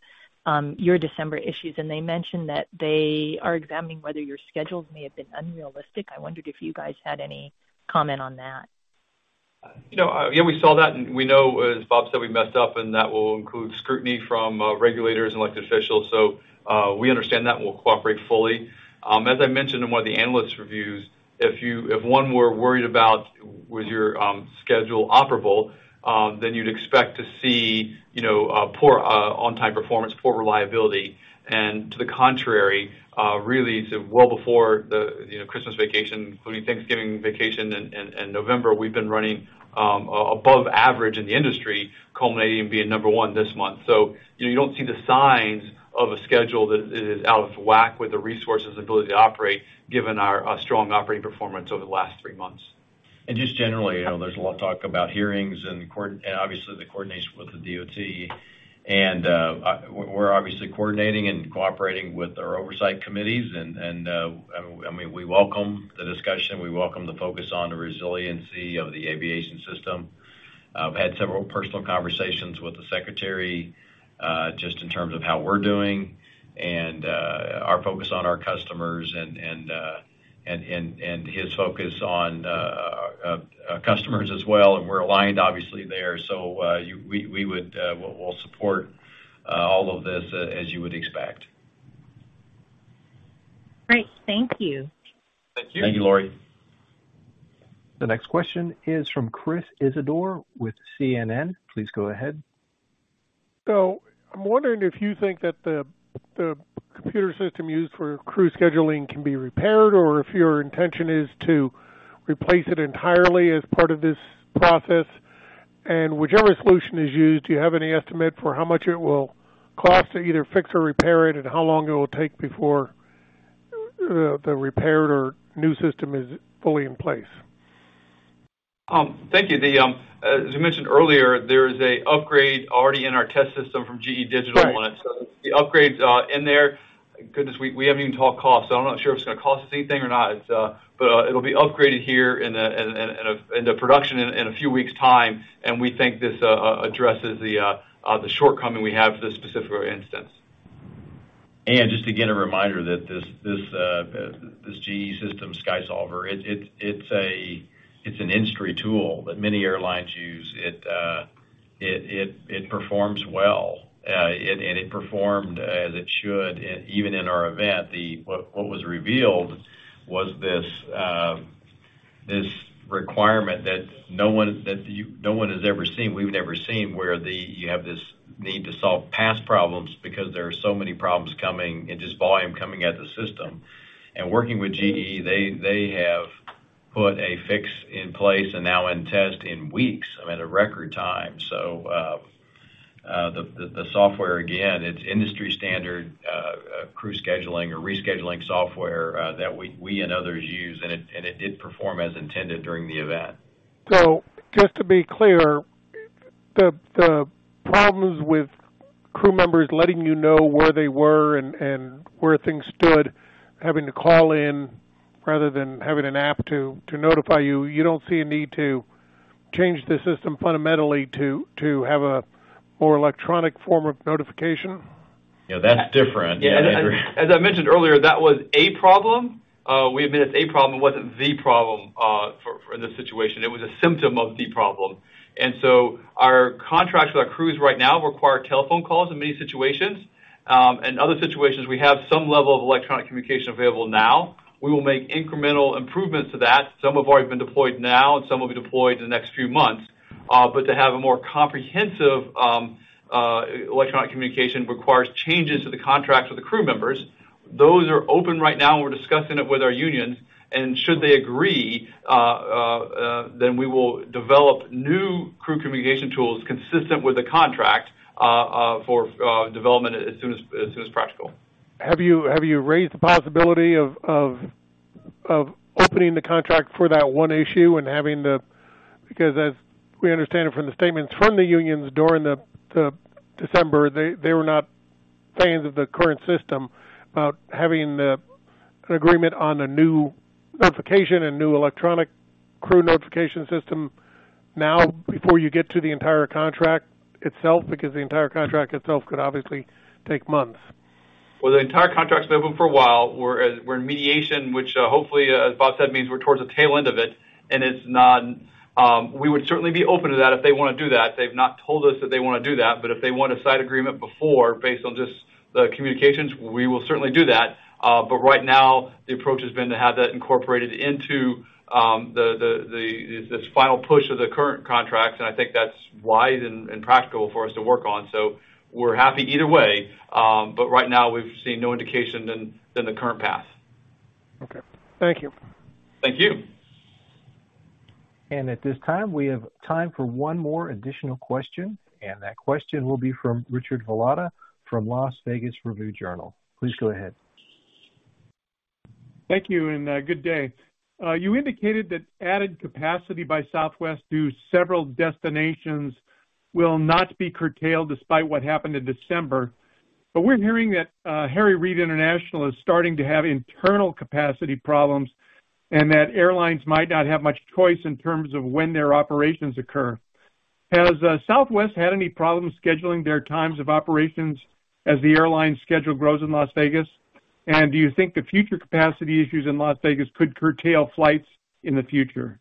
your December issues. They mentioned that they are examining whether your schedules may have been unrealistic. I wondered if you guys had any comment on that. You know, yeah, we saw that and we know, as Bob said, we messed up, and that will include scrutiny from regulators and elected officials. We understand that and we'll cooperate fully. As I mentioned in one of the analyst reviews, if one were worried about was your schedule operable, then you'd expect to see, you know, poor on-time performance, poor reliability. To the contrary, really to well before the, you know, Christmas vacation, including Thanksgiving vacation in November, we've been running above average in the industry, culminating being number one this month. You know, you don't see the signs of a schedule that is out of whack with the resources ability to operate given our strong operating performance over the last three months. Just generally, you know, there's a lot of talk about hearings and obviously the coordination with the DOT. We're obviously coordinating and cooperating with our oversight committees. I mean, we welcome the discussion, we welcome the focus on the resiliency of the aviation system. I've had several personal conversations with the secretary, just in terms of how we're doing and our focus on our customers and his focus on customers as well. We're aligned obviously there. We, we would... we'll support all of this as you would expect. Great. Thank you. Thank you. Thank you, Lori. The next question is from Chris Isidore with CNN. Please go ahead. I'm wondering if you think that the computer system used for crew scheduling can be repaired or if your intention is to replace it entirely as part of this process. Whichever solution is used, do you have any estimate for how much it will cost to either fix or repair it, and how long it will take before the repaired or new system is fully in place? Thank you. The, as you mentioned earlier, there is a upgrade already in our test system from GE Digital- Right. The upgrades are in there. Goodness, we haven't even talked costs, so I'm not sure if it's gonna cost us anything or not. It's, but it'll be upgraded here in a production in a few weeks time. We think this addresses the shortcoming we have for this specific instance. Just again, a reminder that this GE system, SkySolver, it's an industry tool that many airlines use. It performs well, and it performed as it should even in our event. What was revealed was this requirement that no one has ever seen, we've never seen where you have this need to solve past problems because there are so many problems coming and just volume coming at the system. Working with GE, they have put a fix in place and now in test in weeks, I mean, a record time. The software, again, it's industry standard crew scheduling or rescheduling software that we and others use. It did perform as intended during the event. Just to be clear, the problems with crew members letting you know where they were and where things stood, having to call in rather than having an app to notify you don't see a need to change the system fundamentally to have a more electronic form of notification? Yeah, that's different. As I mentioned earlier, that was a problem. We admit it's a problem, it wasn't the problem for this situation. It was a symptom of the problem. Our contracts with our crews right now require telephone calls in many situations. In other situations we have some level of electronic communication available now. We will make incremental improvements to that. Some have already been deployed now and some will be deployed in the next few months. But to have a more comprehensive electronic communication requires changes to the contract with the crew members. Those are open right now, and we're discussing it with our unions. Should they agree, then we will develop new crew communication tools consistent with the contract for development as soon as practical. Have you raised the possibility of opening the contract for that one issue and having the? As we understand it from the statements from the unions during the December, they were not fans of the current system. About having an agreement on a new notification and new electronic crew notification system now before you get to the entire contract itself, because the entire contract itself could obviously take months. The entire contract's been open for a while. We're in mediation, which, hopefully, as Bob said, means we're towards the tail end of it, and it's not. We would certainly be open to that if they wanna do that. They've not told us that they wanna do that, but if they want a side agreement before based on just the communications, we will certainly do that. But right now the approach has been to have that incorporated into the, this final push of the current contract, and I think that's wise and practical for us to work on. We're happy either way. But right now, we've seen no indication than the current path. Okay. Thank you. Thank you. At this time, we have time for one more additional question. That question will be from Richard Velotta from Las Vegas Review-Journal. Please go ahead. Thank you. Good day. You indicated that added capacity by Southwest to several destinations will not be curtailed despite what happened in December. We're hearing that Harry Reid International is starting to have internal capacity problems and that airlines might not have much choice in terms of when their operations occur. Has Southwest had any problems scheduling their times of operations as the airline schedule grows in Las Vegas? Do you think the future capacity issues in Las Vegas could curtail flights in the future?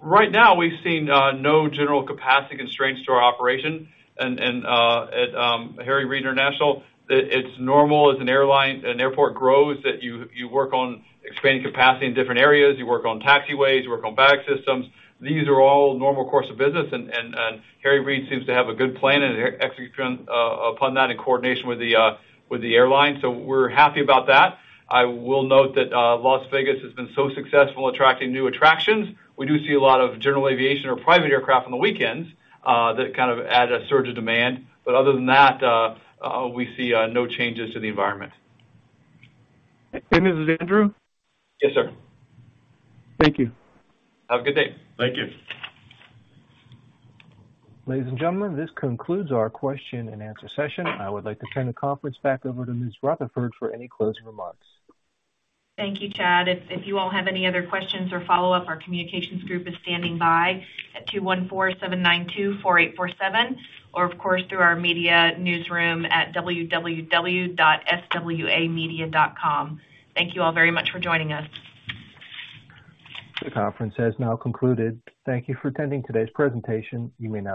Right now we've seen no general capacity constraints to our operation. At Harry Reid International, it's normal as an airport grows that you work on expanding capacity in different areas, you work on taxiways, you work on baggage systems. These are all normal course of business. Harry Reid seems to have a good plan and execution upon that in coordination with the airline. We're happy about that. I will note that Las Vegas has been so successful attracting new attractions. We do see a lot of general aviation or private aircraft on the weekends that kind of add a surge of demand. Other than that, we see no changes to the environment. This is Andrew? Yes, sir. Thank you. Have a good day. Thank you. Ladies and gentlemen, this concludes our question-and-answer session. I would like to turn the conference back over to Ms. Rutherford for any closing remarks. Thank you, Chad. If you all have any other questions or follow-up, our communications group is standing by at 214-792-4847 or, of course, through our media newsroom at www.swamedia.com. Thank you all very much for joining us. The conference has now concluded. Thank you for attending today's presentation. You may disconnect.